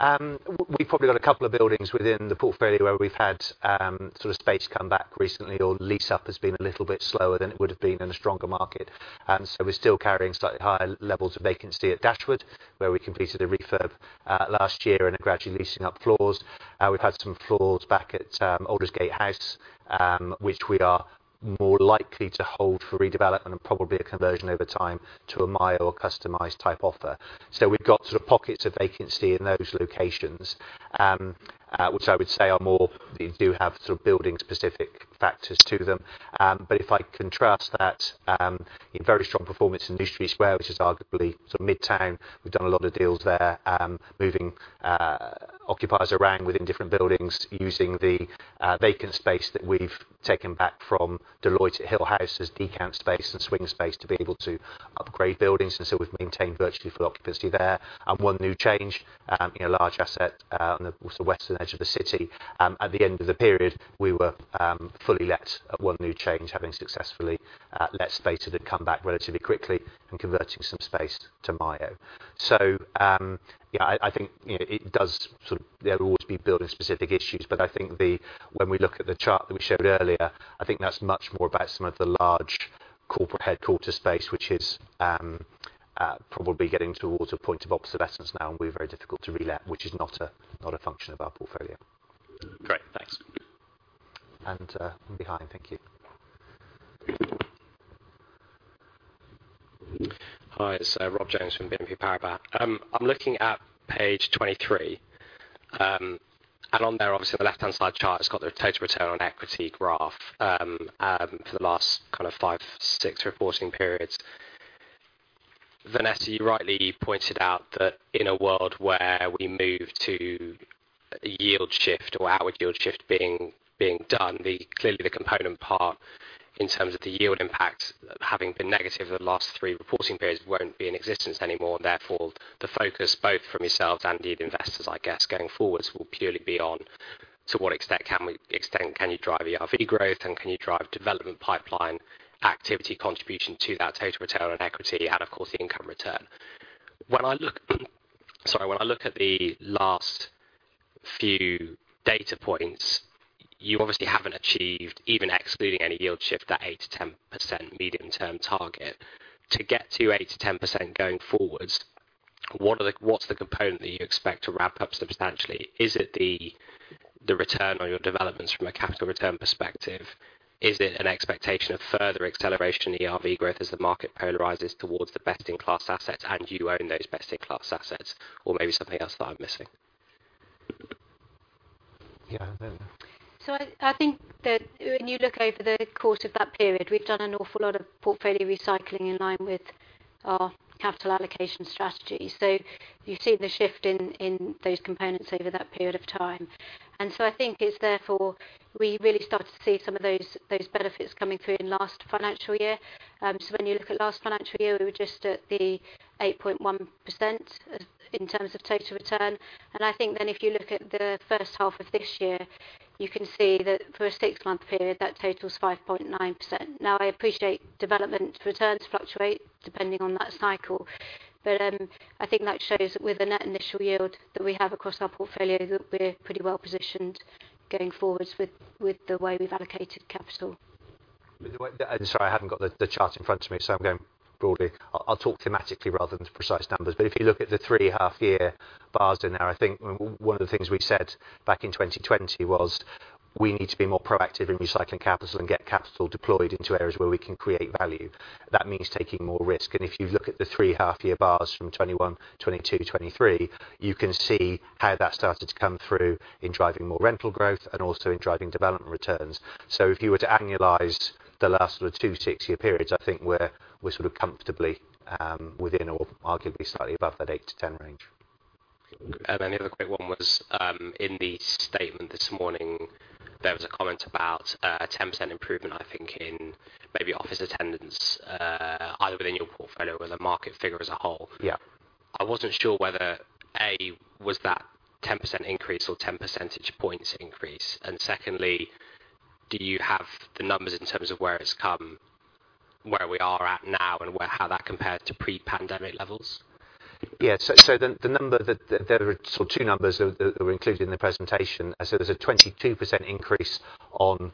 We've probably got a couple of buildings within the portfolio where we've had sort of space come back recently, or lease-up has been a little bit slower than it would have been in a stronger market. And so we're still carrying slightly higher levels of vacancy at Dashwood, where we completed a refurb last year and are gradually leasing up floors. We've had some floors back at Aldersgate House, which we are more likely to hold for redevelopment and probably a conversion over time to a Myo or customized type offer. So we've got sort of pockets of vacancy in those locations, which I would say are more, they do have sort of building specific factors to them. But if I contrast that, in very strong performance in New Street Square, which is arguably sort of midtown, we've done a lot of deals there, moving occupiers around within different buildings using the vacant space that we've taken back from Deloitte at Hill House as decant space and swing space to be able to upgrade buildings. And so we've maintained virtually full occupancy there. One New Change, you know, large asset, on the sort of western edge of the city. At the end of the period, we were fully let at One New Change, having successfully let space that had come back relatively quickly and converting some space to Myo. So, yeah, I think, you know, it does sort of there will always be building specific issues, but I think, when we look at the chart that we showed earlier, I think that's much more about some of the large corporate headquarters space, which is, probably getting towards a point of obsolescence now, and will be very difficult to relet, which is not a function of our portfolio. Great. Thanks. And, behind. Thank you. Hi, it's Rob Jones from BNP Paribas. I'm looking at page 23. On there, obviously, the left-hand side chart has got the total return on equity graph for the last kind of 5, 6 reporting periods. Vanessa, you rightly pointed out that in a world where we move to a yield shift or outward yield shift being done, clearly the component part in terms of the yield impact, having been negative for the last three reporting periods, won't be in existence anymore. Therefore, the focus, both from yourselves and the investors, I guess, going forwards, will purely be on to what extent can you drive ERV growth, and can you drive development pipeline activity contribution to that total return on equity and, of course, the income return? When I look, sorry, when I look at the last few data points, you obviously haven't achieved, even excluding any yield shift, that 8%-10% medium-term target. To get to 8%-10% going forwards, what are the, what's the component that you expect to ramp up substantially? Is it the, the return on your developments from a capital return perspective? Is it an expectation of further acceleration in ERV growth as the market polarizes towards the best-in-class assets, and you own those best-in-class assets? Or maybe something else that I'm missing? Yeah, Vanessa. So I, I think that when you look over the course of that period, we've done an awful lot of portfolio recycling in line with our capital allocation strategy. So you've seen the shift in, in those components over that period of time. And so I think it's therefore, we really started to see some of those, those benefits coming through in last financial year. So when you look at last financial year, we were just at the 8.1% in terms of total return. And I think then if you look at the first half of this year, you can see that for a six-month period, that total is 5.9%. Now, I appreciate development returns fluctuate depending on that cycle, but, I think that shows with the net initial yield that we have across our portfolio, that we're pretty well positioned going forwards with, with the way we've allocated capital. Anyway, sorry, I haven't got the chart in front of me, so I'm going broadly. I'll talk thematically rather than precise numbers. But if you look at the three half-year bars in there, I think one of the things we said back in 2020 was, we need to be more proactive in recycling capital and get capital deployed into areas where we can create value. That means taking more risk. And if you look at the three half-year bars from 2021, 2022 to 2023, you can see how that started to come through in driving more rental growth and also in driving development returns. So if you were to annualize the last sort of two six-month periods, I think we're sort of comfortably within or arguably slightly above that 8-10 range.... Then the other quick one was, in the statement this morning, there was a comment about a 10% improvement, I think, in maybe office attendance, either within your portfolio or the market figure as a whole. Yeah. I wasn't sure whether, A, was that 10% increase or 10 percentage points increase? And secondly, do you have the numbers in terms of where it's come, where we are at now, and where, how that compared to pre-pandemic levels? Yeah. So the number that there are sort of two numbers that were included in the presentation. So there's a 22% increase on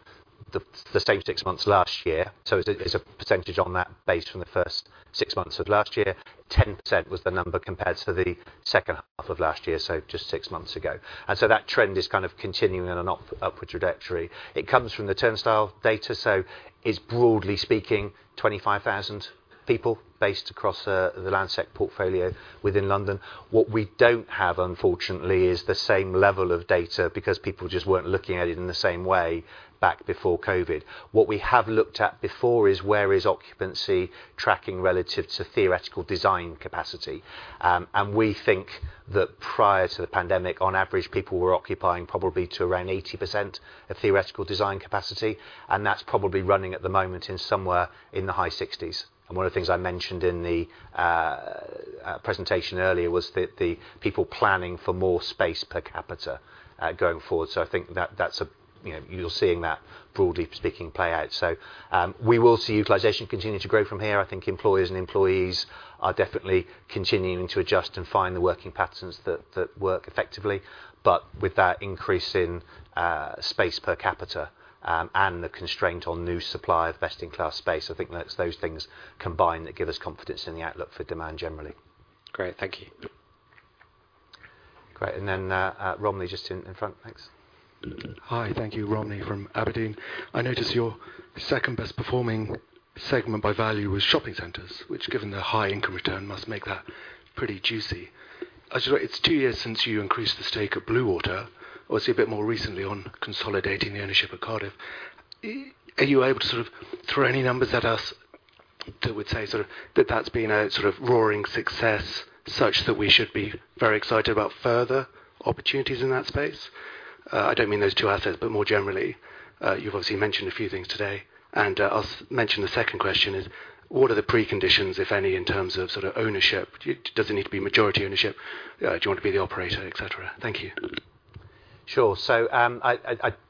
the same six months last year, so it's a percentage on that base from the first six months of last year. 10% was the number compared to the second half of last year, so just six months ago. And so that trend is kind of continuing on an upward trajectory. It comes from the turnstile data, so it's broadly speaking, 25,000 people based across the Landsec portfolio within London. What we don't have, unfortunately, is the same level of data because people just weren't looking at it in the same way back before COVID. What we have looked at before is, where is occupancy tracking relative to theoretical design capacity? And we think that prior to the pandemic, on average, people were occupying probably to around 80% of theoretical design capacity, and that's probably running at the moment in somewhere in the high 60s. And one of the things I mentioned in the presentation earlier was that the people planning for more space per capita, going forward. So I think that that's a, you know, you're seeing that, broadly speaking, play out. So, we will see utilization continue to grow from here. I think employers and employees are definitely continuing to adjust and find the working patterns that, that work effectively. But with that increase in, space per capita, and the constraint on new supply of best-in-class space, I think that's those things combined that give us confidence in the outlook for demand generally. Great, thank you. Great, and then, Romney just in front. Thanks. Hi. Thank you. Romney from Aberdeen. I noticed your second best performing segment by value was shopping centers, which, given the high income return, must make that pretty juicy. I just want... It's two years since you increased the stake of Bluewater, obviously, a bit more recently on consolidating the ownership of Cardiff. Are you able to sort of throw any numbers at us that would say sort of that that's been a sort of roaring success, such that we should be very excited about further opportunities in that space? I don't mean those two assets, but more generally. You've obviously mentioned a few things today, and I'll mention the second question is: What are the preconditions, if any, in terms of sort of ownership? Does it need to be majority ownership? Do you want to be the operator, et cetera? Thank you. Sure. So, I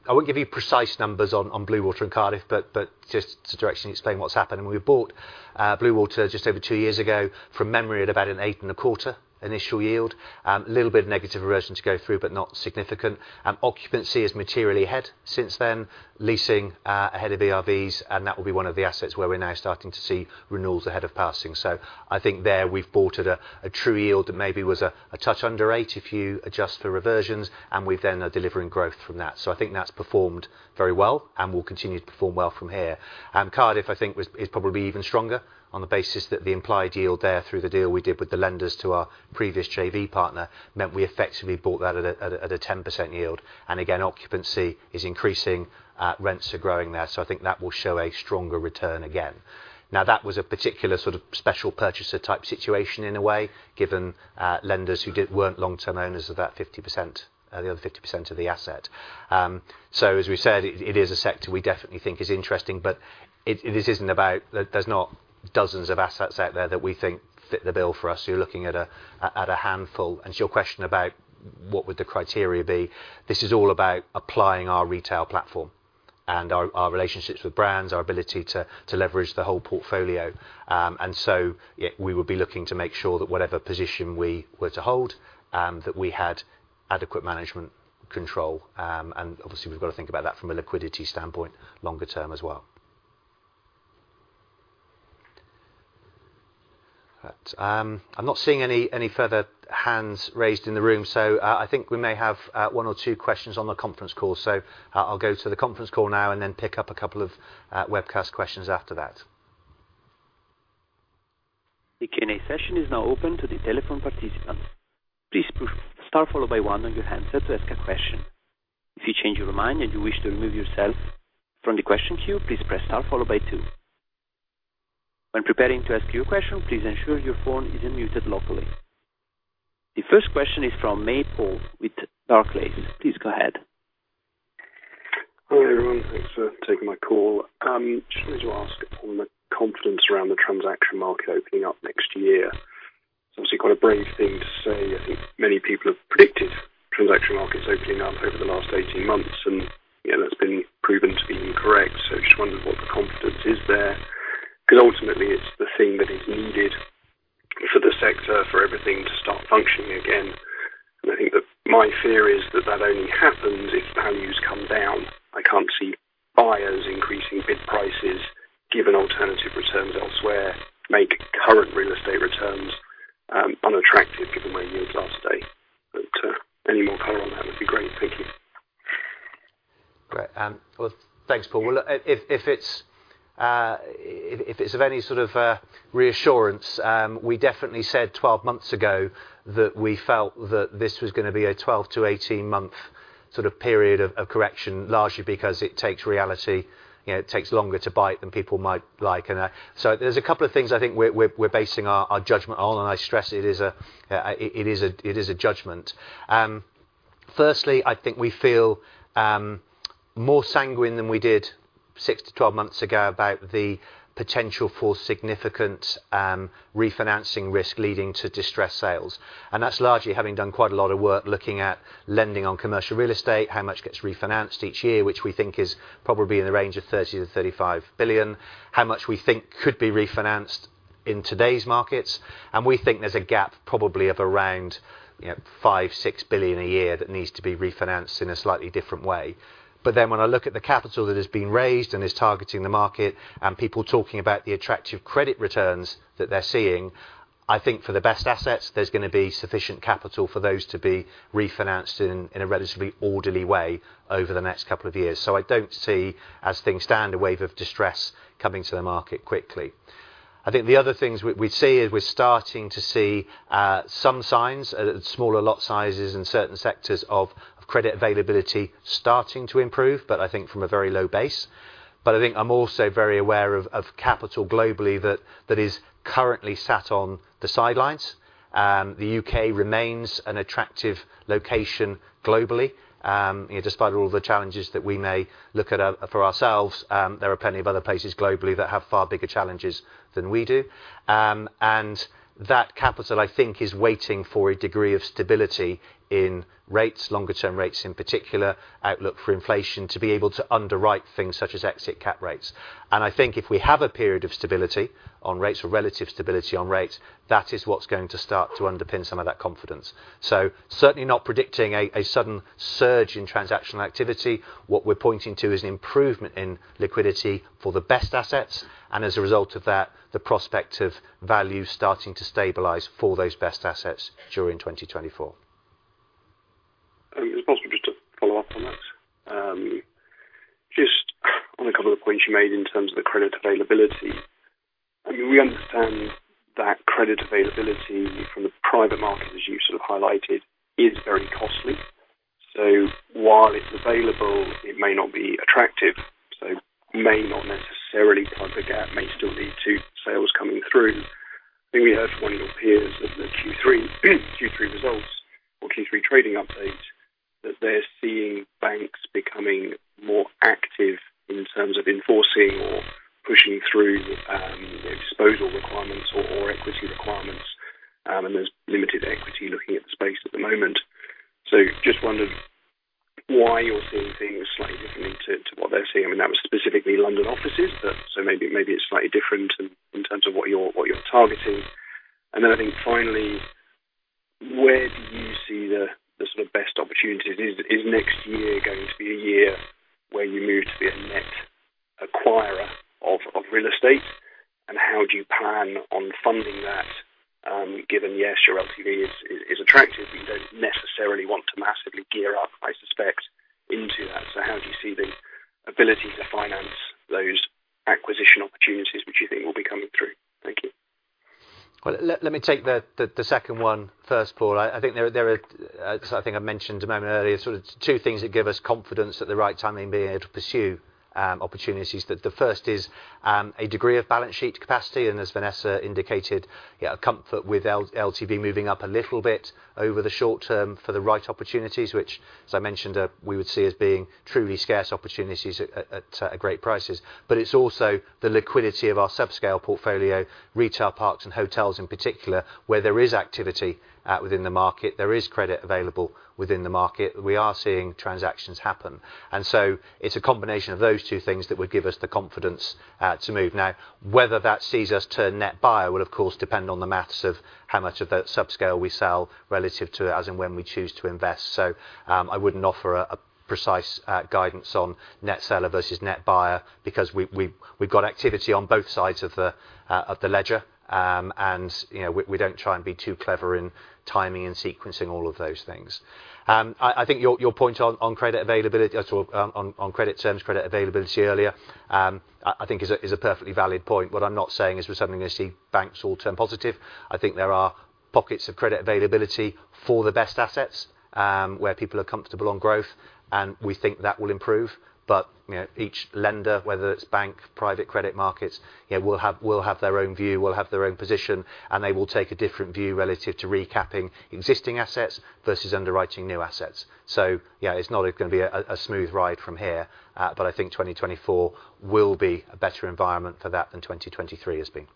won't give you precise numbers on Bluewater and Cardiff, but just to directly explain what's happened, when we bought Bluewater just over two years ago, from memory, at about an 8.25 initial yield, a little bit of negative reversion to go through, but not significant. Occupancy is materially ahead since then, leasing ahead of ERVs, and that will be one of the assets where we're now starting to see renewals ahead of passing. So I think there we've bought at a true yield that maybe was a touch under eight, if you adjust for reversions, and we then are delivering growth from that. So I think that's performed very well and will continue to perform well from here. Cardiff, I think was, is probably even stronger on the basis that the implied yield there, through the deal we did with the lenders to our previous JV partner, meant we effectively bought that at a 10% yield. And again, occupancy is increasing, rents are growing there, so I think that will show a stronger return again. Now, that was a particular sort of special purchaser type situation in a way, given lenders who weren't long-term owners of that 50%, the other 50% of the asset. So as we said, it is a sector we definitely think is interesting, but this isn't about... There's not dozens of assets out there that we think fit the bill for us. We're looking at a handful. To your question about what would the criteria be, this is all about applying our retail platform and our relationships with brands, our ability to leverage the whole portfolio. And so, yeah, we will be looking to make sure that whatever position we were to hold, that we had adequate management control, and obviously we've got to think about that from a liquidity standpoint, longer term as well. I'm not seeing any further hands raised in the room, so I think we may have one or two questions on the conference call. So, I'll go to the conference call now and then pick up a couple of webcast questions after that. The Q&A session is now open to the telephone participants. Please push star followed by one on your handset to ask a question. If you change your mind and you wish to remove yourself from the question queue, please press star followed by two. When preparing to ask your question, please ensure your phone is unmuted locally. The first question is from Paul with Jefferies. Please go ahead. Hi, everyone. Thanks for taking my call. Just wanted to ask on the confidence around the transaction market opening up next year. It's obviously quite a brave thing to say. I think many people have predicted transaction markets opening up over the last 18 months, and, you know, that's been proven to be incorrect. So just wondered what the confidence is there, because ultimately it's the thing that is needed for the sector, for everything to start functioning again. And I think that my fear is that that only happens if values come down. I can't see buyers increasing bid prices, given alternative returns elsewhere, make current real estate returns unattractive, given where yields are today. But any more color on that would be great. Thank you. Great, well, thanks, Paul. Well, if it's of any sort of reassurance, we definitely said 12 months ago that we felt that this was gonna be a 12 to 18-month sort of period of correction, largely because it takes reality, you know, it takes longer to bite than people might like, and so there's a couple of things I think we're basing our judgment on, and I stress it is a judgment. Firstly, I think we feel more sanguine than we did 6 to 12 months ago about the potential for significant refinancing risk leading to distressed sales. That's largely having done quite a lot of work, looking at lending on commercial real estate, how much gets refinanced each year, which we think is probably in the range of 30-35 billion. How much we think could be refinanced in today's markets, and we think there's a gap probably of around, you know, 5-6 billion a year that needs to be refinanced in a slightly different way. But then when I look at the capital that is being raised and is targeting the market, and people talking about the attractive credit returns that they're seeing, I think for the best assets, there's gonna be sufficient capital for those to be refinanced in a relatively orderly way over the next couple of years. I don't see, as things stand, a wave of distress coming to the market quickly. I think the other things we see is we're starting to see some signs that smaller lot sizes in certain sectors of credit availability starting to improve, but I think from a very low base. But I think I'm also very aware of capital globally that is currently sat on the sidelines. The U.K. remains an attractive location globally. You know, despite all the challenges that we may look at for ourselves, there are plenty of other places globally that have far bigger challenges than we do. And that capital, I think, is waiting for a degree of stability in rates, longer-term rates, in particular, outlook for inflation, to be able to underwrite things such as exit cap rates. I think if we have a period of stability on rates or relative stability on rates, that is what's going to start to underpin some of that confidence. Certainly not predicting a sudden surge in transactional activity. What we're pointing to is an improvement in liquidity for the best assets, and as a result of that, the prospect of values starting to stabilize for those best assets during 2024. Is it possible just to follow up on that? Just on a couple of points you made in terms of the credit availability. I mean, we understand that credit availability from the private market, as you sort of highlighted, is very costly. So while it's available, it may not be attractive, so may not necessarily plug a gap, may still lead to sales coming through. I think we heard from one of your peers at the Q3 results or Q3 trading update, that they're seeing banks becoming more active in terms of enforcing or pushing through, exposure requirements or equity requirements, and there's limited equity looking at the space at the moment. So just wondered why you're seeing things slightly different to what they're seeing. I mean, that was specifically London offices, but so maybe it's slightly different in terms of what you're targeting. And then I think finally, where do you see the sort of best opportunities? Is next year going to be a year where you move to be a net acquirer of real estate? And how do you plan on funding that, given, yes, your LTV is attractive, you don't necessarily want to massively gear up, I suspect, into that. So how do you see the ability to finance those acquisition opportunities, which you think will be coming through? Thank you. Well, let me take the second one first, Paul. I think there are, so I think I mentioned a moment earlier, sort of two things that give us confidence at the right timing, being able to pursue opportunities. The first is, a degree of balance sheet capacity, and as Vanessa indicated, yeah, a comfort with LTV moving up a little bit over the short term for the right opportunities, which, as I mentioned, we would see as being truly scarce opportunities at great prices. But it's also the liquidity of our subscale portfolio, retail parks and hotels in particular, where there is activity within the market. There is credit available within the market. We are seeing transactions happen. And so it's a combination of those two things that would give us the confidence to move. Now, whether that sees us turn net buyer will, of course, depend on the math of how much of the subscale we sell relative to as and when we choose to invest. So, I wouldn't offer a precise guidance on net seller versus net buyer because we've got activity on both sides of the ledger. And, you know, we don't try and be too clever in timing and sequencing all of those things. I think your point on credit availability, sort of, on credit terms, credit availability earlier, I think is a perfectly valid point. What I'm not saying is we're suddenly going to see banks all turn positive. I think there are pockets of credit availability for the best assets, where people are comfortable on growth, and we think that will improve. But, you know, each lender, whether it's bank, private credit markets, you know, will have, will have their own view, will have their own position, and they will take a different view relative to recapping existing assets versus underwriting new assets. So yeah, it's not going to be a smooth ride from here, but I think 2024 will be a better environment for that than 2023 has been.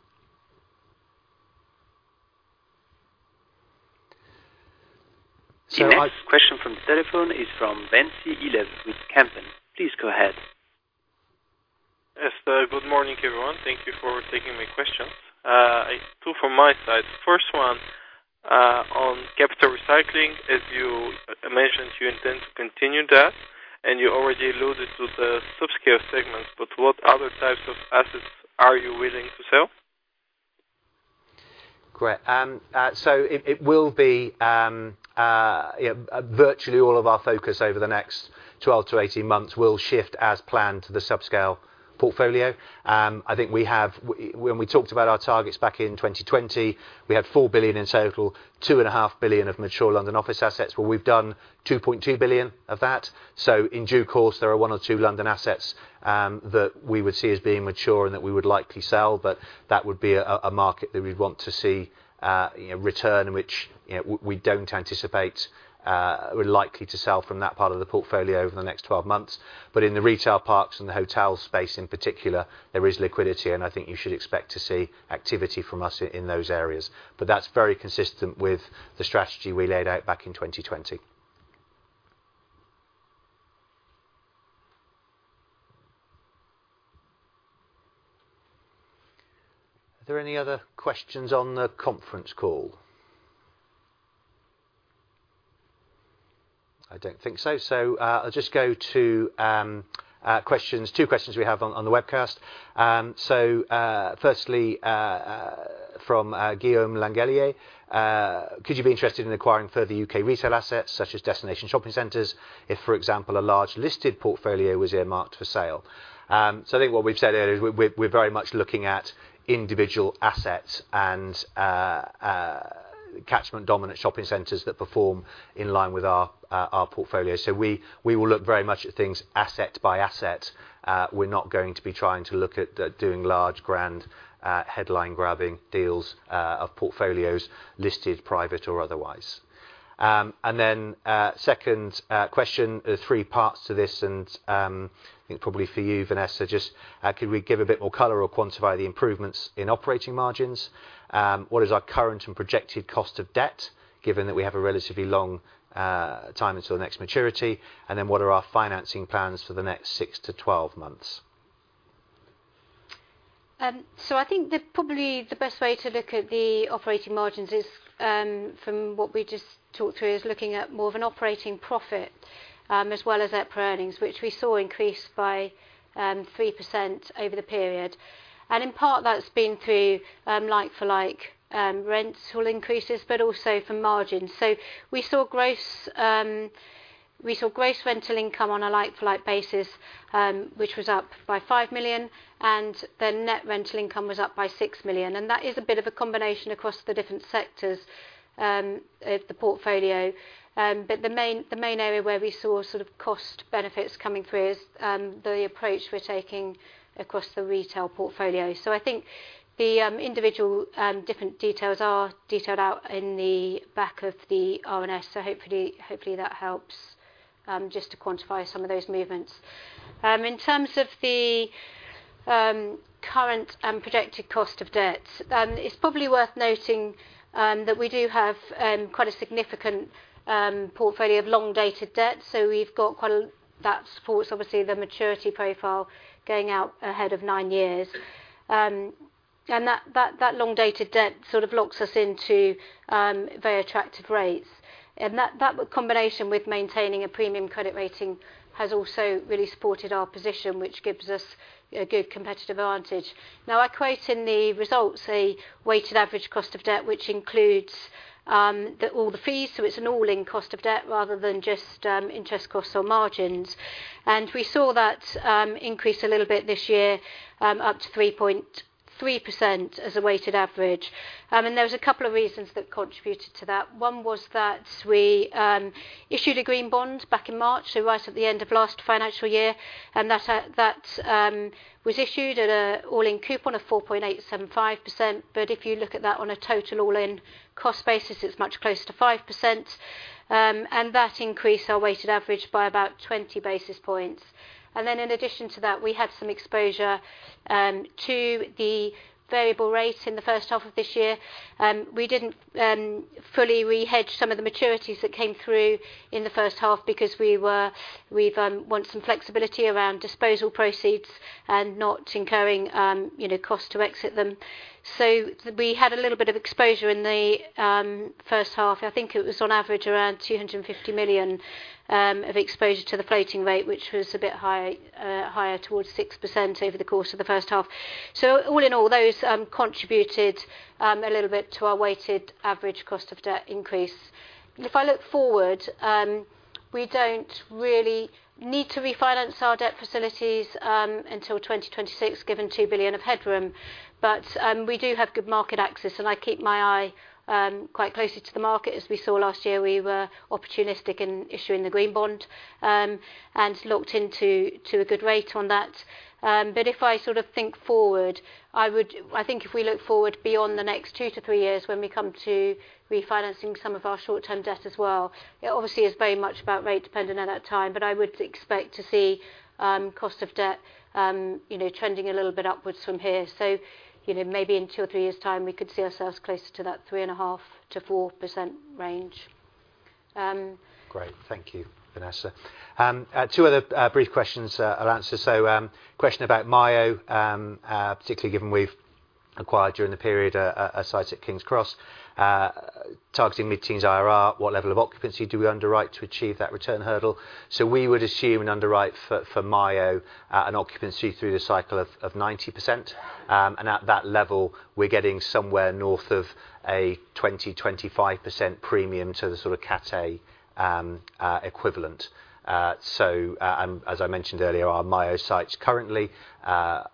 The next question from the telephone is from Venci Iliev with Kempen. Please go ahead. Yes, good morning, everyone. Thank you for taking my question. Two from my side. First one, on capital recycling. As you mentioned, you intend to continue that, and you already alluded to the subscale segment, but what other types of assets are you willing to sell? Great. So it will be, you know, virtually all of our focus over the next 12 to 18 months will shift as planned to the subscale portfolio. I think we have, when we talked about our targets back in 2020, we had 4 billion in total, 2.5 billion of mature London office assets, where we've done 2.2 billion of that. So in due course, there are one or two London assets, that we would see as being mature and that we would likely sell, but that would be a market that we'd want to see, you know, return, and which, you know, we don't anticipate, we're likely to sell from that part of the portfolio over the next 12 months. But in the retail parks and the hotel space in particular, there is liquidity, and I think you should expect to see activity from us in those areas. But that's very consistent with the strategy we laid out back in 2020. Are there any other questions on the conference call? I don't think so. So, I'll just go to questions, two questions we have on the webcast. So, firstly, from Guillaume Langelier, could you be interested in acquiring further UK retail assets, such as destination shopping centers, if, for example, a large listed portfolio was earmarked for sale? So I think what we've said earlier is we're very much looking at individual assets and catchment dominant shopping centers that perform in line with our portfolio. So we, we will look very much at things asset by asset. We're not going to be trying to look at, doing large, grand, headline grabbing deals, of portfolios listed private or otherwise. And then, second, question, there are three parts to this, and, I think probably for you, Vanessa, just, could we give a bit more color or quantify the improvements in operating margins? What is our current and projected cost of debt, given that we have a relatively long, time until the next maturity? And then, what are our financing plans for the next 6-12 months? So I think the, probably the best way to look at the operating margins is, from what we just talked through, is looking at more of an operating profit, as well as EPRA earnings, which we saw increase by 3% over the period. And in part, that's been through, like-for-like, rental increases, but also from margins. So we saw gross rental income on a like-for-like basis, which was up by 5 million, and the net rental income was up by 6 million. And that is a bit of a combination across the different sectors, of the portfolio. But the main area where we saw sort of cost benefits coming through is, the approach we're taking across the retail portfolio. So I think the individual different details are detailed out in the back of the RNS. So hopefully, hopefully, that helps just to quantify some of those movements. In terms of the current projected cost of debt, it's probably worth noting that we do have quite a significant portfolio of long-dated debt, so we've got quite a That supports, obviously, the maturity profile going out ahead of nine years. And that long-dated debt sort of locks us into very attractive rates. And that combination with maintaining a premium credit rating has also really supported our position, which gives us a good competitive advantage. Now, I quote in the results a weighted average cost of debt, which includes all the fees, so it's an all-in cost of debt rather than just interest costs or margins. And we saw that increase a little bit this year, up to 3.3% as a weighted average. And there was a couple of reasons that contributed to that. One was that we issued a green bond back in March, so right at the end of last financial year, and that was issued at an all-in coupon of 4.875%, but if you look at that on a total all-in cost basis, it's much closer to 5%, and that increased our weighted average by about 20 basis points. And then in addition to that, we had some exposure to the variable rate in the first half of this year. We didn't fully rehedge some of the maturities that came through in the first half because we want some flexibility around disposal proceeds and not incurring, you know, cost to exit them. So we had a little bit of exposure in the first half. I think it was on average, around $250 million of exposure to the floating rate, which was a bit high, higher, towards 6% over the course of the first half. So all in all, those contributed a little bit to our weighted average cost of debt increase. And if I look forward, we don't really need to refinance our debt facilities until 2026, given $2 billion of headroom. But we do have good market access, and I keep my eye quite closely to the market. As we saw last year, we were opportunistic in issuing the green bond, and locked into, to a good rate on that. But if I sort of think forward, I would... I think if we look forward beyond the next 2-3 years, when we come to refinancing some of our short-term debt as well, it obviously is very much about rate dependent at that time, but I would expect to see, cost of debt, you know, trending a little bit upwards from here. So, you know, maybe in 2 or 3 years' time, we could see ourselves closer to that 3.5%-4% range. Great. Thank you, Vanessa. Two other brief questions, I'll answer. So, question about MYO, particularly given we've acquired during the period, a site at King's Cross, targeting mid-teens IRR, what level of occupancy do we underwrite to achieve that return hurdle? So we would assume an underwrite for MYO, an occupancy through the cycle of 90%, and at that level, we're getting somewhere north of a 20%-25% premium to the sort of Cat A equivalent. So, and as I mentioned earlier, our MYO sites currently are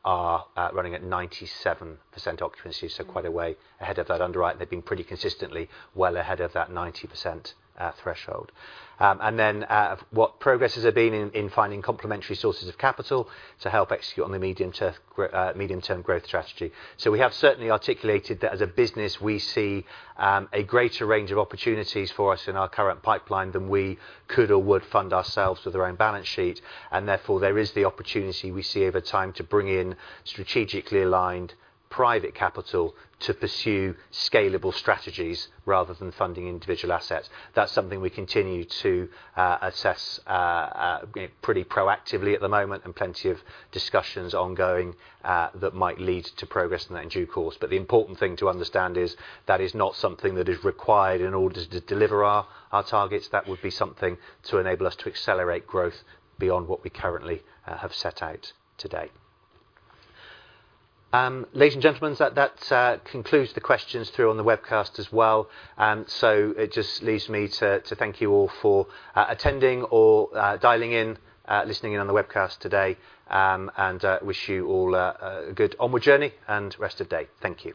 running at 97% occupancy, so quite a way ahead of that underwrite. They've been pretty consistently well ahead of that 90% threshold. And then, what progress has been in finding complementary sources of capital to help execute on the medium-term growth strategy? So we have certainly articulated that as a business, we see a greater range of opportunities for us in our current pipeline than we could or would fund ourselves with our own balance sheet. And therefore, there is the opportunity we see over time to bring in strategically aligned private capital to pursue scalable strategies rather than funding individual assets. That's something we continue to assess pretty proactively at the moment, and plenty of discussions ongoing that might lead to progress in that in due course. But the important thing to understand is that is not something that is required in order to deliver our targets. That would be something to enable us to accelerate growth beyond what we currently have set out today. Ladies and gentlemen, that concludes the questions through on the webcast as well. So it just leaves me to thank you all for attending or dialing in, listening in on the webcast today, and wish you all a good onward journey and rest of day. Thank you.